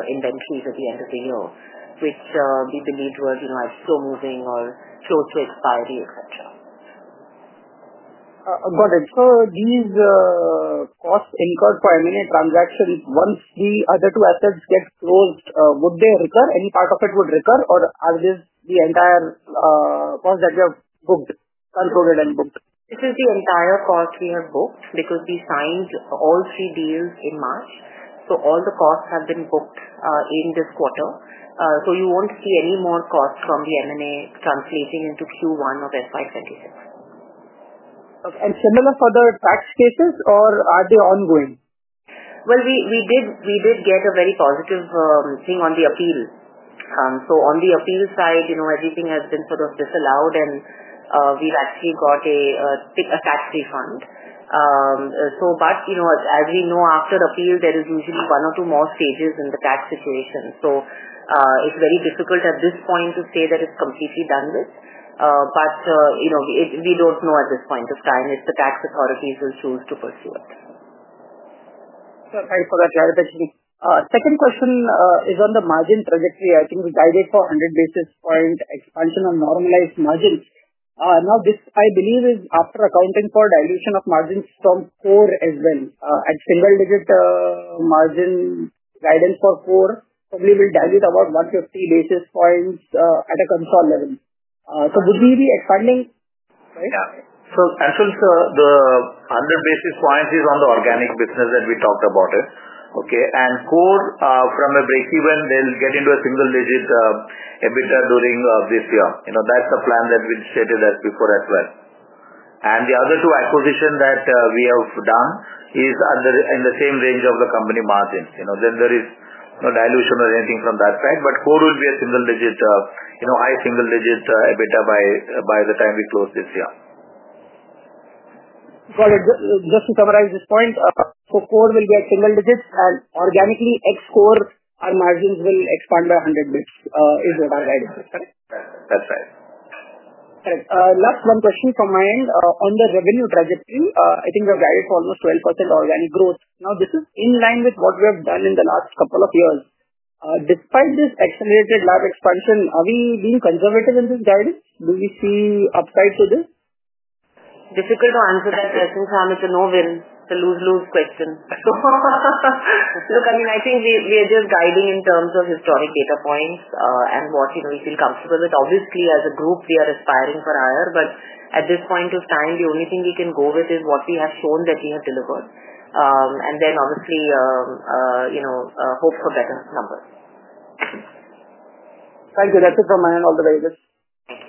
inventories at the end of the year, which we believed were slow-moving or close to expiry, etc. Got it. So these costs incurred for M&A transactions, once the other two assets get closed, would they recur? Any part of it would recur, or is this the entire cost that we have booked, controlled, and booked? This is the entire cost we have booked because we signed all three deals in March. So all the costs have been booked in this quarter. You will not see any more costs from the M&A translating into Q1 of FY26. it similar for the tax cases, or are they ongoing? We did get a very positive thing on the appeal. On the appeal side, everything has been sort of disallowed, and we've actually got a tax refund. As we know, after the appeal, there is usually one or two more stages in the tax situation. It is very difficult at this point to say that it is completely done with. We do not know at this point of time if the tax authorities will choose to pursue it. Thanks for that clarification. Second question is on the margin trajectory. I think we guided for 100 basis point expansion on normalized margins. Now, this, I believe, is after accounting for dilution of margins from Core as well. At single-digit margin guidance for Core, probably we'll dilute about 150 basis points at a consolidated level. Would we be expanding? Yeah. Anshul, the 100 basis points is on the organic business that we talked about, okay? Core, from a breakeven, they'll get into a single-digit EBITDA during this year. That's the plan that we stated as before as well. The other two acquisitions that we have done are in the same range of the company margins. There is no dilution or anything from that side. Core will be a single-digit, high single-digit EBITDA by the time we close this year. Got it. Just to summarize this point, so Core will be at single digits, and organically, ex-Core, our margins will expand by 100 basis points is what our guidance is, correct? That's right. Correct. Last one question from my end. On the revenue trajectory, I think we have guided for almost 12% organic growth. Now, this is in line with what we have done in the last couple of years. Despite this accelerated lab expansion, are we being conservative in this guidance? Do we see upside to this? Difficult to answer that question, Sam. It's a no-win, it's a lose-lose question. Look, I mean, I think we are just guiding in terms of historic data points and what we feel comfortable with. Obviously, as a group, we are aspiring for higher. At this point of time, the only thing we can go with is what we have shown that we have delivered. Obviously, hope for better numbers. Thank you. That's it from my end, All the very best. Thank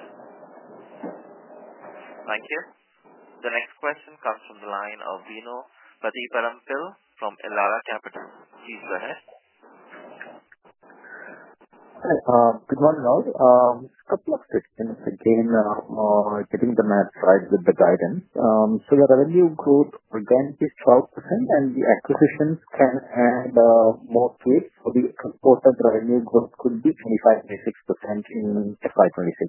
you. Thank you. The next question comes from the line of Bino Pathiparampil from Elara Capital. Please go ahead. Good morning, all. A couple of quick things again on getting the math right with the guidance. The revenue growth again is 12%, and the acquisitions can add more keys. The purpose of revenue growth could be 25%-26% in FY26.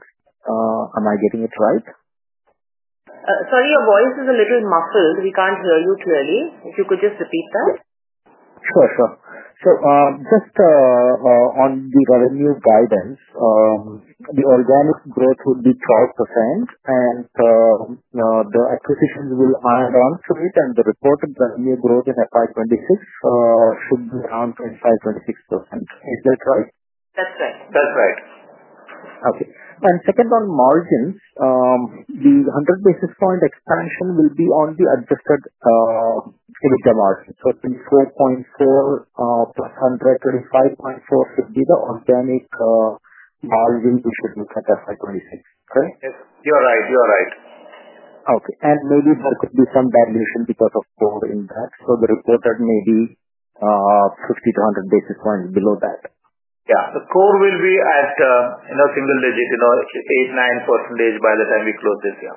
Am I getting it right? Sorry, your voice is a little muffled. We can't hear you clearly. If you could just repeat that. Sure, sure. So just on the revenue guidance, the organic growth would be 12%, and the acquisitions will add on to it. The reported revenue growth in FY26 should be around 25%-26%. Is that right? That's right. That's right. Okay. Second, on margins, the 100 basis point expansion will be on the adjusted EBITDA margin. So 24.4 + 100, 25.4 should be the organic margin we should look at for FY26, correct? You're right. Okay. There could be some dilution because of Core impact. The reported may be 50-100 basis points below that. Yeah. The Core will be at a single digit, 8-9% by the time we close this year.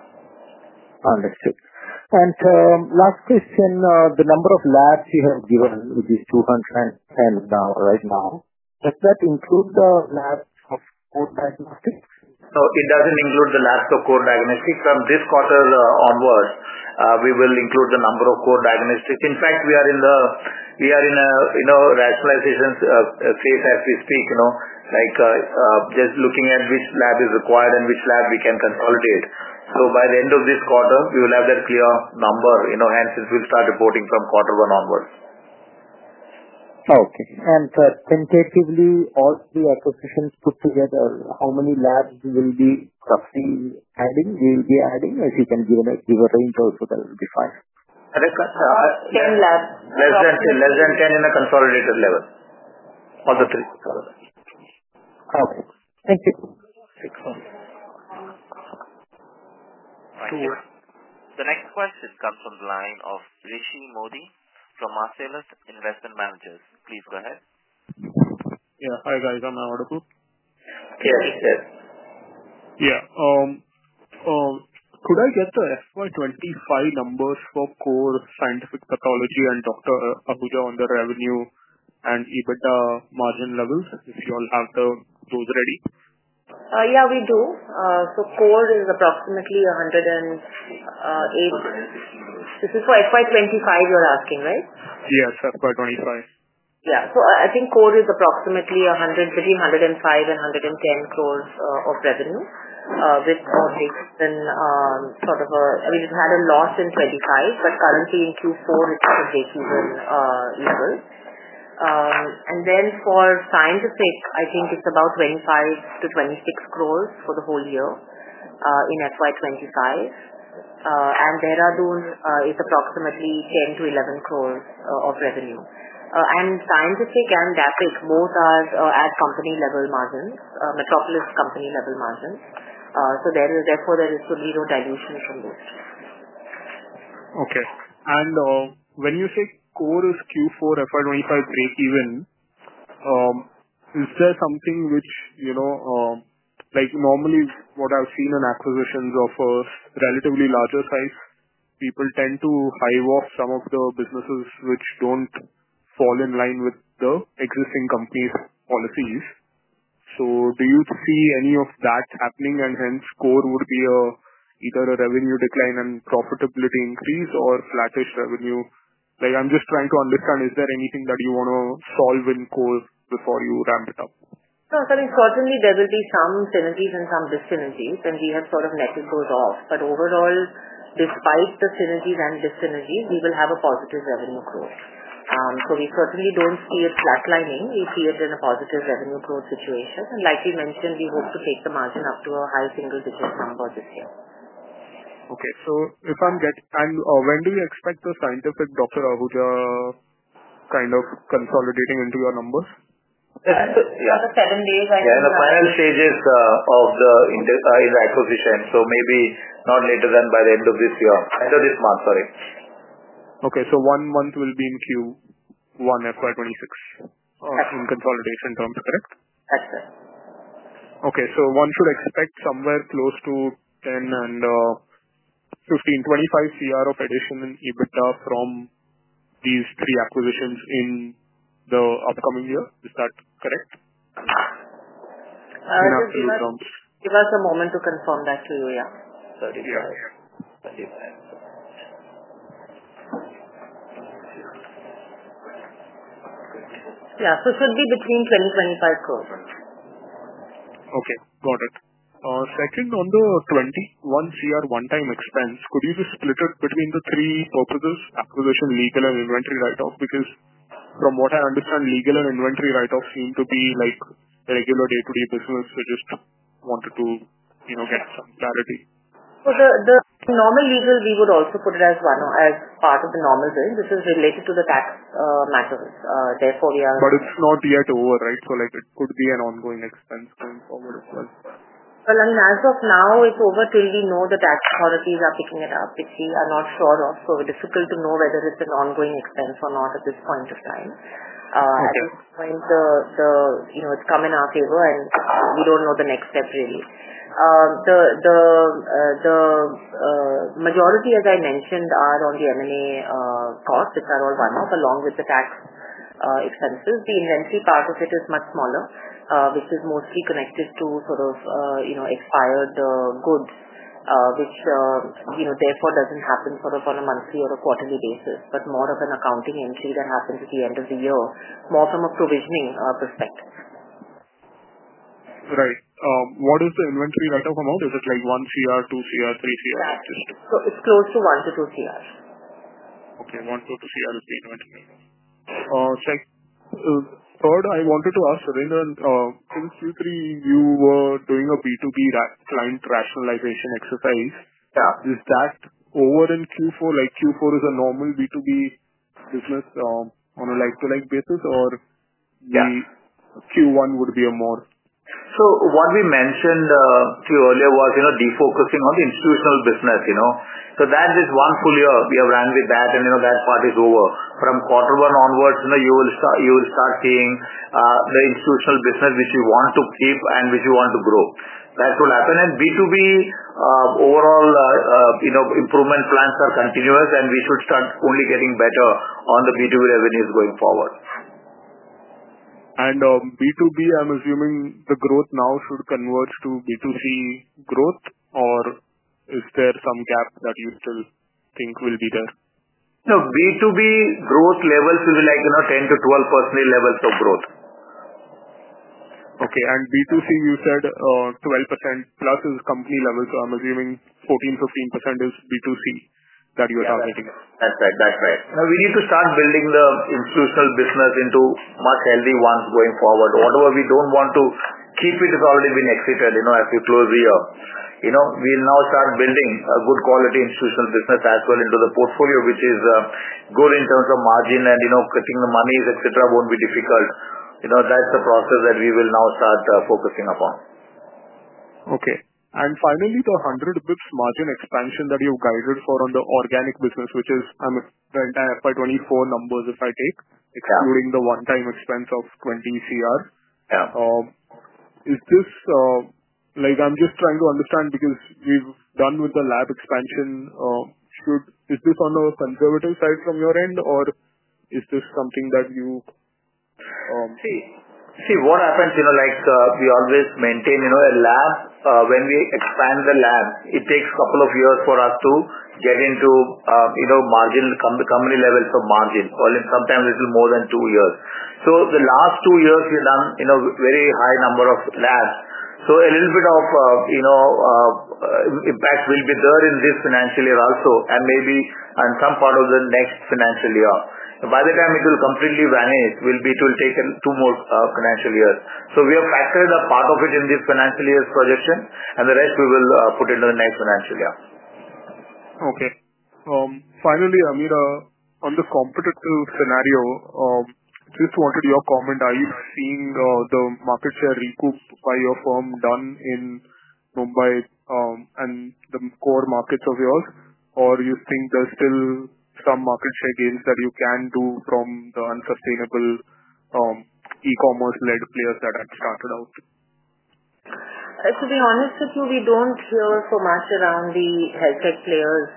Understood. Last question, the number of labs you have given, which is 210 right now, does that include the labs of Core Diagnostics? No, it doesn't include the labs of Core Diagnostics. From this quarter onwards, we will include the number of Core Diagnostics. In fact, we are in a rationalization phase as we speak, like just looking at which lab is required and which lab we can consolidate. By the end of this quarter, we will have that clear number. Hence, we'll start reporting from quarter one onwards. Okay. Tentatively, all three acquisitions put together, how many labs will we be adding? We will be adding. If you can give a range also, that will be fine. Correct? 10 labs. Less than 10 at a consolidated level. Okay. Thank you. Thank you. The next question comes from the line of Rishi Mody from Marcellus Investment Managers. Please go ahead. Yeah. Hi guys. Am I audible? Yeah. Yeah. Could I get the FY25 numbers for Core, Scientific Pathology, and Dr. Ahuja on the revenue and EBITDA margin levels? If you all have those ready. Yeah, we do. So Core is approximately 108. This is for FY25 you're asking, right? Yes, FY25. Yeah. So I think Core is approximately 105-110 crore of revenue with more take-even sort of a, I mean, it had a loss in 2025, but currently in Q4, it's at a breakeven level. For Scientific, I think it's about 25-26 crore for the whole year in FY25. Dehradun is approximately 10-11 crore of revenue. Scientific and DAPIC both are at company-level margins, Metropolis company-level margins. Therefore, there is a zero dilution from those. Okay. When you say Core is Q4 FY25 breakeven, is there something which normally what I've seen in acquisitions of relatively larger size, people tend to hive off some of the businesses which don't fall in line with the existing company's policies? Do you see any of that happening? Hence, Core would be either a revenue decline and profitability increase or flattish revenue. I'm just trying to understand, is there anything that you want to solve in Core before you ramp it up? No, I mean, certainly there will be some synergies and some dyssynergies, and we have sort of netted those off. Overall, despite the synergies and dyssynergies, we will have a positive revenue growth. We certainly do not see it flatlining. We see it in a positive revenue growth situation. Like we mentioned, we hope to take the margin up to a high single-digit number this year. Okay. So if I'm getting and when do you expect the Scientific, Dr. Ahuja kind of consolidating into your numbers? You have the seven days. Yeah. The final stages of the acquisition. Maybe not later than by the end of this year. End of this month, sorry. Okay. So one month will be in Q1 FY26 in consolidation terms, correct? That's right. Okay. So one should expect somewhere close to 10 and 15 crore-25 crore of addition in EBITDA from these three acquisitions in the upcoming year. Is that correct in absolute terms? Give us a moment to confirm that to you. Yeah. Twenty-five. Yeah. So it should be between 20 crore-25 crore. Okay. Got it. Second, on the 21 crore one-time expense, could you just split it between the three purposes: acquisition, legal, and inventory write-off? Because from what I understand, legal and inventory write-off seem to be regular day-to-day business. Just wanted to get some clarity. The normal legal, we would also put it as part of the normal bill. This is related to the tax matters. Therefore, we are. It is not yet over, right? So it could be an ongoing expense going forward as well. I mean, as of now, it's over till we know the tax authorities are picking it up, which we are not sure of. So it's difficult to know whether it's an ongoing expense or not at this point of time. At this point, it's come in our favor, and we don't know the next step, really. The majority, as I mentioned, are on the M&A costs, which are all one-off along with the tax expenses. The inventory part of it is much smaller, which is mostly connected to sort of expired goods, which therefore doesn't happen sort of on a monthly or a quarterly basis, but more of an accounting entry that happens at the end of the year, more from a provisioning perspective. Right. What is the inventory write-off amount? Is it like 1 crore, 2 crore, 30 crore? It's close to 1 crore-2 crore. Okay. 1 crore-2 crore is the inventory write-off. Third, I wanted to ask, Surendran, since Q3, you were doing a B2B client rationalization exercise. Is that over in Q4? Q4 is a normal B2B business on a like-to-like basis, or Q1 would be a more? What we mentioned to you earlier was defocusing on the institutional business. That is one full year we have ran with that, and that part is over. From quarter one onwards, you will start seeing the institutional business which you want to keep and which you want to grow. That will happen. B2B overall improvement plans are continuous, and we should start only getting better on the B2B revenues going forward. B2B, I'm assuming the growth now should converge to B2C growth, or is there some gap that you still think will be there? No, B2B growth levels will be like 10-12% levels of growth. Okay. B2C, you said 12% plus is company level. I'm assuming 14-15% is B2C that you're targeting. That's right. That's right. We need to start building the institutional business into much healthy ones going forward. Whatever we don't want to keep, it has already been exited as we close the year. We'll now start building a good quality institutional business as well into the portfolio, which is good in terms of margin and getting the money, etc., won't be difficult. That's the process that we will now start focusing upon. Okay. Finally, the 100 basis points margin expansion that you've guided for on the organic business, which is, I mean, the entire FY24 numbers, if I take, excluding the one-time expense of 20 crore, is this, I'm just trying to understand, because we've done with the lab expansion. Is this on a conservative side from your end, or is this something that you? See, what happens, we always maintain a lab. When we expand the lab, it takes a couple of years for us to get into marginal company levels of margin. Sometimes it will be more than two years. The last two years, we've done a very high number of labs. A little bit of impact will be there in this financial year also and maybe in some part of the next financial year. By the time it will completely vanish, it will take two more financial years. We have factored a part of it in this financial year's projection, and the rest we will put into the next financial year. Okay. Finally, Ameera, on the competitive scenario, just wanted your comment. Are you seeing the market share recoup by your firm done in Mumbai and the core markets of yours, or do you think there's still some market share gains that you can do from the unsustainable e-commerce-led players that had started out? To be honest with you, we do not hear so much around the health tech players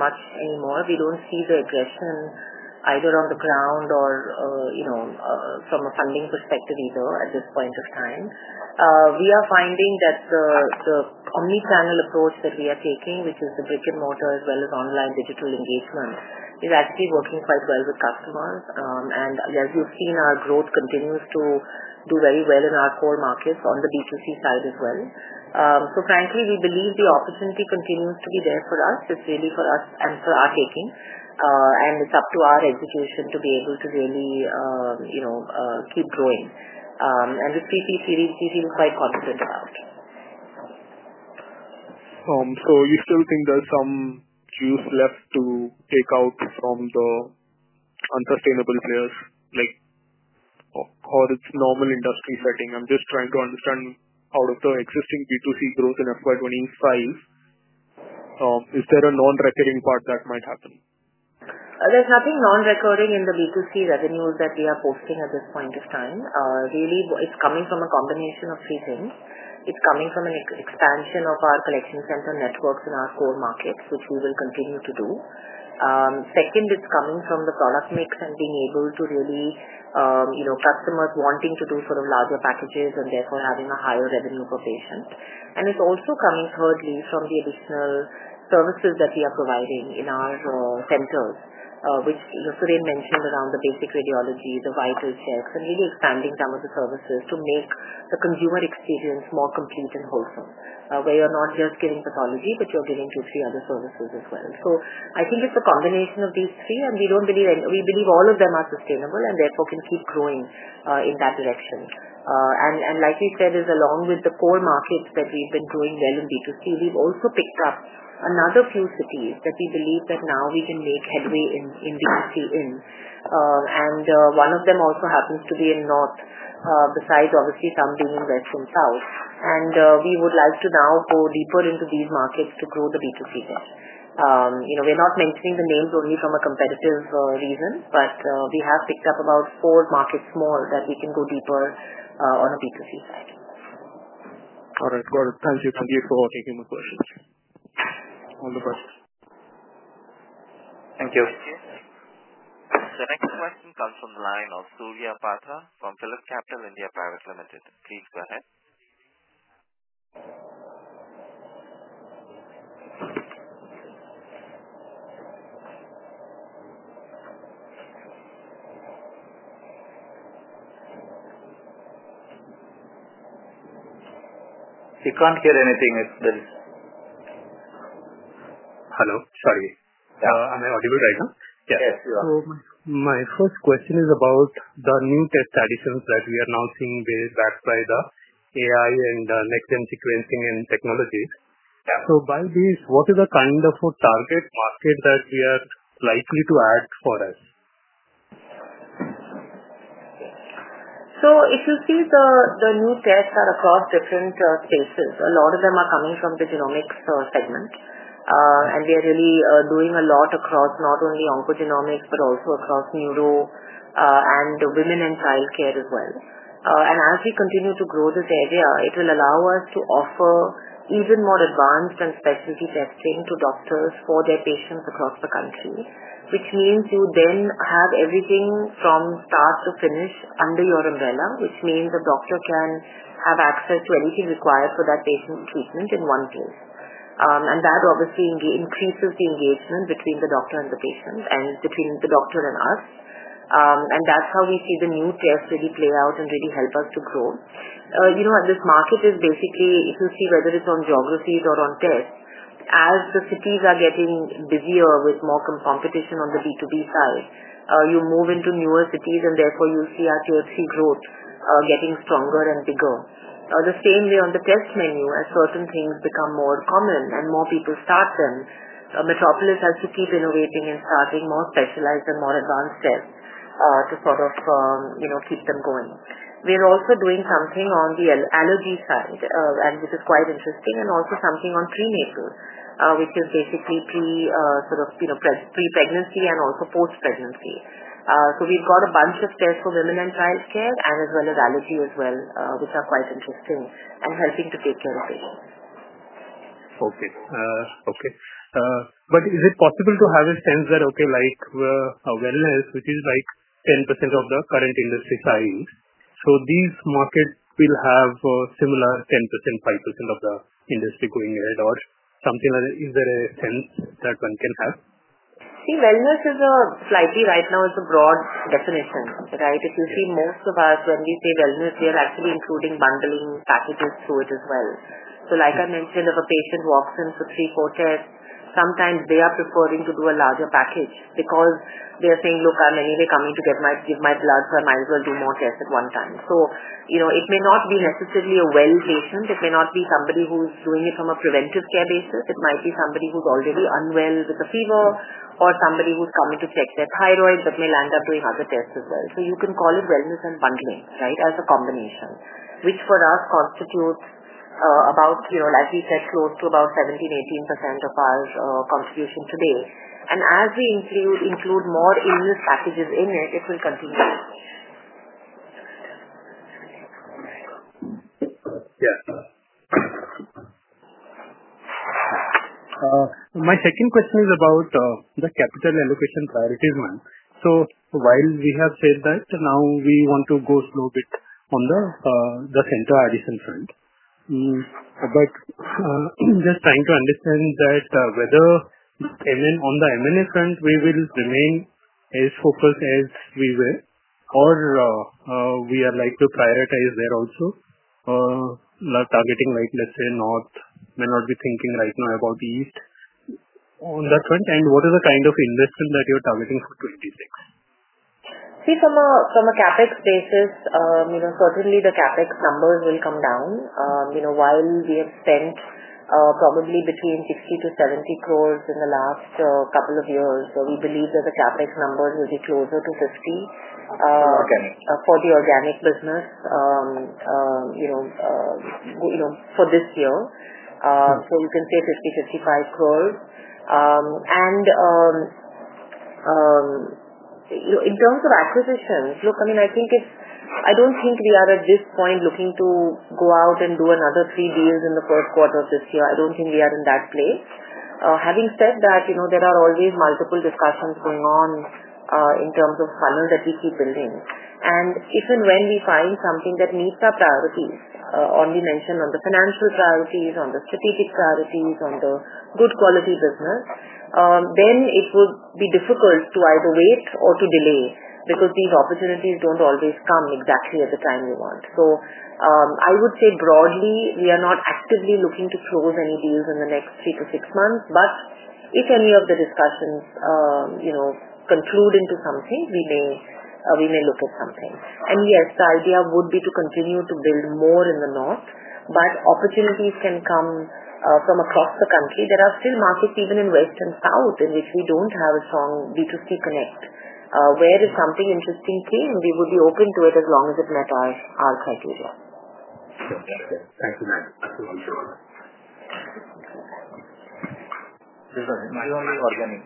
much anymore. We do not see the aggression either on the ground or from a funding perspective either at this point of time. We are finding that the omnichannel approach that we are taking, which is the brick-and-mortar as well as online digital engagement, is actually working quite well with customers. As you have seen, our growth continues to do very well in our core markets on the B2C side as well. Frankly, we believe the opportunity continues to be there for us. It is really for us and for our taking. It is up to our execution to be able to really keep growing. With PPC, we feel quite confident about. So you still think there's some juice left to take out from the unsustainable players or it's normal industry setting? I'm just trying to understand out of the existing B2C growth in FY25, is there a non-recurring part that might happen? There's nothing non-recurring in the B2C revenues that we are posting at this point of time. Really, it's coming from a combination of three things. It's coming from an expansion of our collection center networks in our core markets, which we will continue to do. Second, it's coming from the product mix and being able to really customers wanting to do sort of larger packages and therefore having a higher revenue per patient. And it's also coming thirdly from the additional services that we are providing in our centers, which Surendran mentioned around the basic radiology, the vital checks, and really expanding some of the services to make the consumer experience more complete and wholesome, where you're not just giving pathology, but you're giving two, three other services as well. I think it's a combination of these three, and we believe all of them are sustainable and therefore can keep growing in that direction. Like you said, along with the core markets that we've been growing well in B2C, we've also picked up another few cities that we believe that now we can make headway in B2C in. One of them also happens to be in North, besides obviously some being in West and South. We would like to now go deeper into these markets to grow the B2C there. We're not mentioning the names only from a competitive reason, but we have picked up about four markets more that we can go deeper on the B2C side. All right. Got it. Thank you. Thank you for taking my questions. All the best. Thank you. The next question comes from the line of Surya Patra from PhilipCapital India Pvt Ltd. Please go ahead. You can't hear anything. It's been. Hello. Sorry. Am I audible right now? Yes. Yes, you are. My first question is about the new test additions that we are now seeing backed by the AI and next-gen sequencing and technologies. By these, what is the kind of target market that we are likely to add for us? If you see, the new tests are across different spaces. A lot of them are coming from the genomics segment. We are really doing a lot across not only oncogenomics but also across neuro and women and childcare as well. As we continue to grow this area, it will allow us to offer even more advanced and specialty testing to doctors for their patients across the country, which means you then have everything from start to finish under your umbrella, which means a doctor can have access to anything required for that patient's treatment in one place. That obviously increases the engagement between the doctor and the patient and between the doctor and us. That is how we see the new tests really play out and really help us to grow. This market is basically, if you see whether it's on geographies or on tests, as the cities are getting busier with more competition on the B2B side, you move into newer cities, and therefore you'll see our THC growth getting stronger and bigger. The same way on the test menu, as certain things become more common and more people start them, Metropolis has to keep innovating and starting more specialized and more advanced tests to sort of keep them going. We're also doing something on the allergy side, which is quite interesting, and also something on prenatal, which is basically sort of pre-pregnancy and also post-pregnancy. We have a bunch of tests for women and childcare and as well as allergy as well, which are quite interesting and helping to take care of patients. Okay. Okay. Is it possible to have a sense that, okay, like wellness, which is like 10% of the current industry size, so these markets will have a similar 10%, 5% of the industry going ahead or something like that? Is there a sense that one can have? See, wellness is slightly right now, it's a broad definition, right? If you see, most of us, when we say wellness, we are actually including bundling packages to it as well. Like I mentioned, if a patient walks in for three or four tests, sometimes they are preferring to do a larger package because they are saying, "Look, I'm anyway coming to give my blood, so I might as well do more tests at one time." It may not be necessarily a well patient. It may not be somebody who's doing it from a preventive care basis. It might be somebody who's already unwell with a fever or somebody who's coming to check their thyroid but may land up doing other tests as well. You can call it wellness and bundling, right, as a combination, which for us constitutes about, like we said, close to about 17-18% of our contribution today. As we include more illness packages in it, it will continue. Yeah. My second question is about the capital allocation priorities, one. While we have said that now we want to go slow a bit on the center addition front, just trying to understand whether on the M&A front we will remain as focused as we were, or we are likely to prioritize there also, targeting, like, let's say, North, may not be thinking right now about east on that front. What is the kind of investment that you're targeting for 2026? See, from a CapEx basis, certainly the CapEx numbers will come down. While we have spent probably between 60-70 crore in the last couple of years, we believe that the CapEx numbers will be closer to 50 crore for the organic business for this year. You can say 50 crore-55 crore. In terms of acquisitions, look, I mean, I think it's I don't think we are at this point looking to go out and do another three deals in the first quarter of this year. I don't think we are in that place. Having said that, there are always multiple discussions going on in terms of funnel that we keep building. If and when we find something that meets our priorities, only mentioned on the financial priorities, on the strategic priorities, on the good quality business, then it would be difficult to either wait or to delay because these opportunities do not always come exactly at the time we want. I would say broadly, we are not actively looking to close any deals in the next three-six months. If any of the discussions conclude into something, we may look at something. Yes, the idea would be to continue to build more in the North, but opportunities can come from across the country. There are still markets even in west and south in which we do not have a strong B2C connect. Where if something interesting came, we would be open to it as long as it met our criteria. Thank you, ma'am. That's all I'm sure of. This is only organic.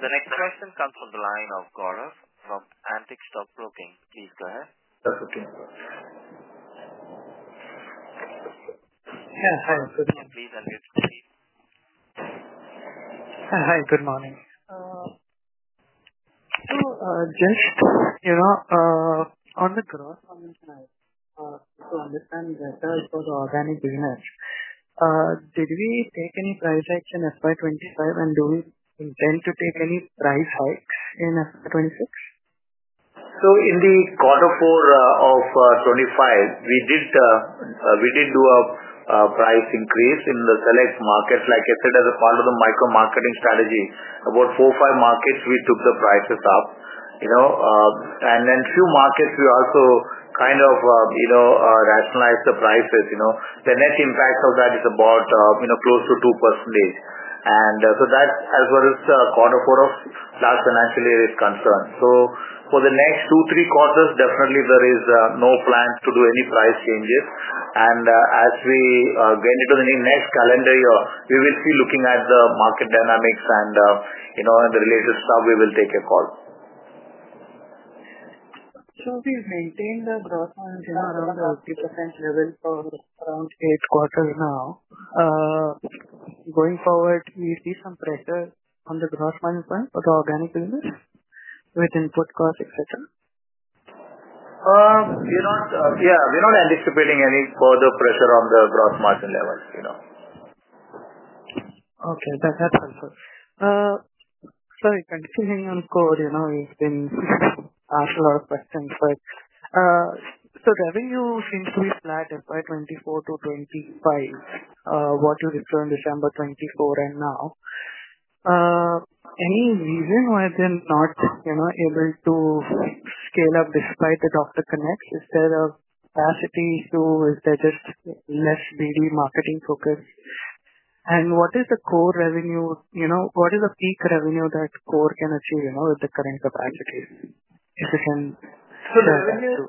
The next question comes from the line of Gaurav from Antique Stock Broking. Please go ahead. That's okay. Yeah. Hi. Please unmute. Hi. Good morning. Just on the growth, to understand better for the organic business, did we take any price action in FY25, and do we intend to take any price hikes in FY26? In the quarter four of 2025, we did do a price increase in select markets, like I said, as a part of the micro-marketing strategy. About four/five markets, we took the prices up. In a few markets, we also kind of rationalized the prices. The net impact of that is about close to 2%. As far as quarter four of last financial year is concerned, for the next two to three quarters, definitely there is no plan to do any price changes. As we get into the next calendar year, we will see, looking at the market dynamics and the related stuff, we will take a call. We've maintained the growth on the 50% level for around eight quarters now. Going forward, do you see some pressure on the gross margin point for the organic business with input cost, etc.? Yeah. We're not anticipating any further pressure on the gross margin level. Okay. That's helpful. Sorry, continuing on Core. You've been asked a lot of questions. So revenue seems to be flat FY24-25, what you referred to December 2024 and now. Any reason why they're not able to scale up despite the doctor connects? Is there a capacity too? Is there just less BD marketing focus? And what is the Core revenue? What is the peak revenue that Core can achieve with the current capacity? If you can. Revenue.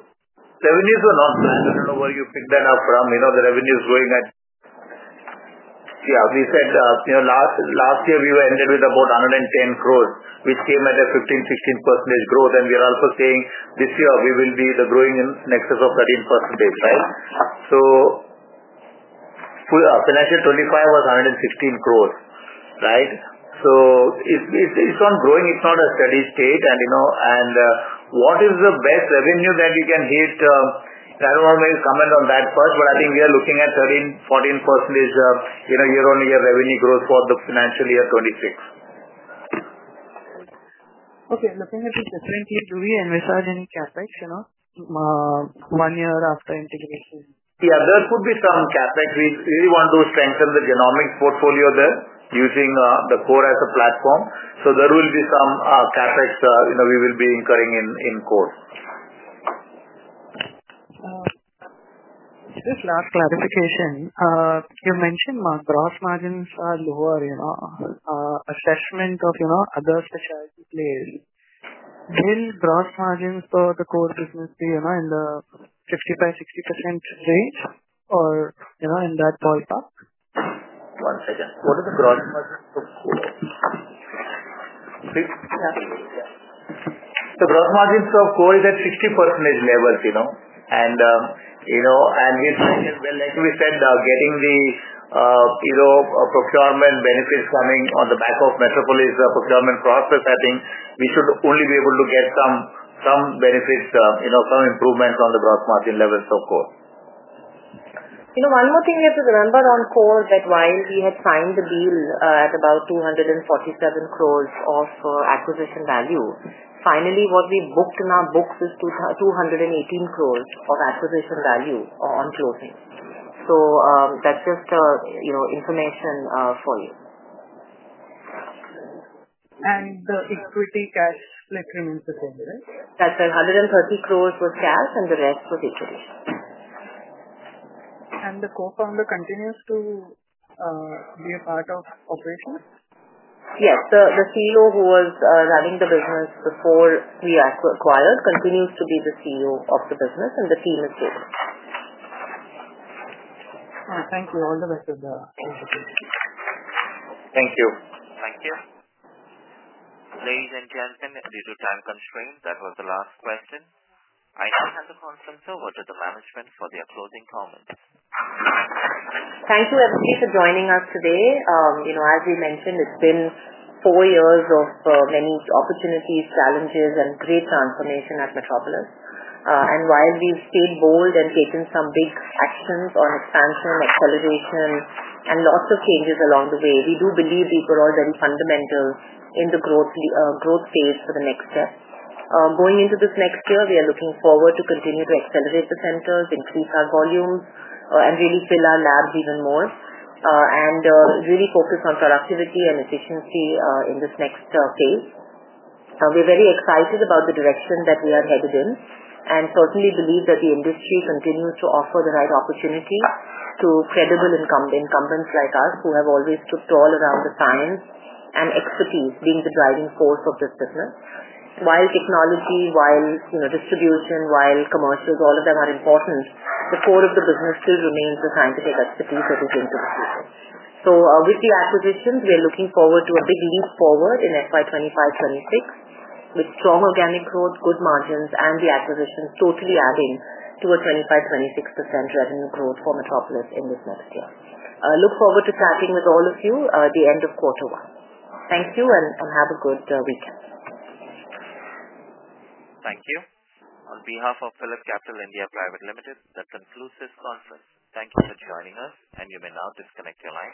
Revenues were not planned. I don't know where you picked that up from. The revenue is growing at yeah. We said last year, we ended with about 110 crore. We came at a 15%-16% growth. We are also saying this year, we will be growing in excess of 13%, right? Financial 2025 was INR 116 crore, right? It is on growing. It is not a steady state. What is the best revenue that you can hit? I don't want to make a comment on that first, but I think we are looking at 13%-14% year-on-year revenue growth for the financial year 2026. Okay. Looking at it differently, do we envisage any CapEx one year after integration? Yeah. There could be some CapEx. We really want to strengthen the genomics portfolio there using the Core as a platform. So there will be some CapEx we will be incurring in Core. Just last clarification. You mentioned gross margins are lower. Assessment of other specialty players, will gross margins for the Core business be in the 55-60% range or in that ballpark? One second. What is the gross margin for Core? The gross margins for Core is at 60% level. Like we said, getting the procurement benefits coming on the back of Metropolis procurement process, I think we should only be able to get some benefits, some improvements on the gross margin level for Core. One more thing is to remember on Core that while we had signed the deal at about 247 crore of acquisition value, finally, what we booked in our books is 218 crore of acquisition value on closing. So that's just information for you. The equity cash, let's remain the same, right? That's 130 crore was cash, and the rest was equity. Does the co-founder continue to be a part of operations? Yes. The CEO who was running the business before we acquired continues to be the CEO of the business, and the team is growing. Thank you. All the best with the integration. Thank you. Thank you. Ladies and gentlemen, due to time constraint, that was the last question. I now hand the conference over to the management for their closing comments. Thank you, everybody, for joining us today. As we mentioned, it has been four years of many opportunities, challenges, and great transformation at Metropolis. While we have stayed bold and taken some big actions on expansion, acceleration, and lots of changes along the way, we do believe these were all very fundamental in the growth phase for the next step. Going into this next year, we are looking forward to continue to accelerate the centers, increase our volumes, and really fill our labs even more, and really focus on productivity and efficiency in this next circle. We are very excited about the direction that we are headed in and certainly believe that the industry continues to offer the right opportunity to credible incumbents like us who have always stood tall around the science and expertise being the driving force of this business. While technology, while distribution, while commercials, all of them are important, the core of the business still remains the scientific expertise that is linked to the people. With the acquisitions, we are looking forward to a big leap forward in FY25-26 with strong organic growth, good margins, and the acquisitions totally adding to a 25%-26% revenue growth for Metropolis Healthcare in this next year. I look forward to chatting with all of you at the end of quarter one. Thank you, and have a good weekend. Thank you. On behalf of PhilipCapital India Pvt Ltd, that concludes this conference. Thank you for joining us, and you may now disconnect your line.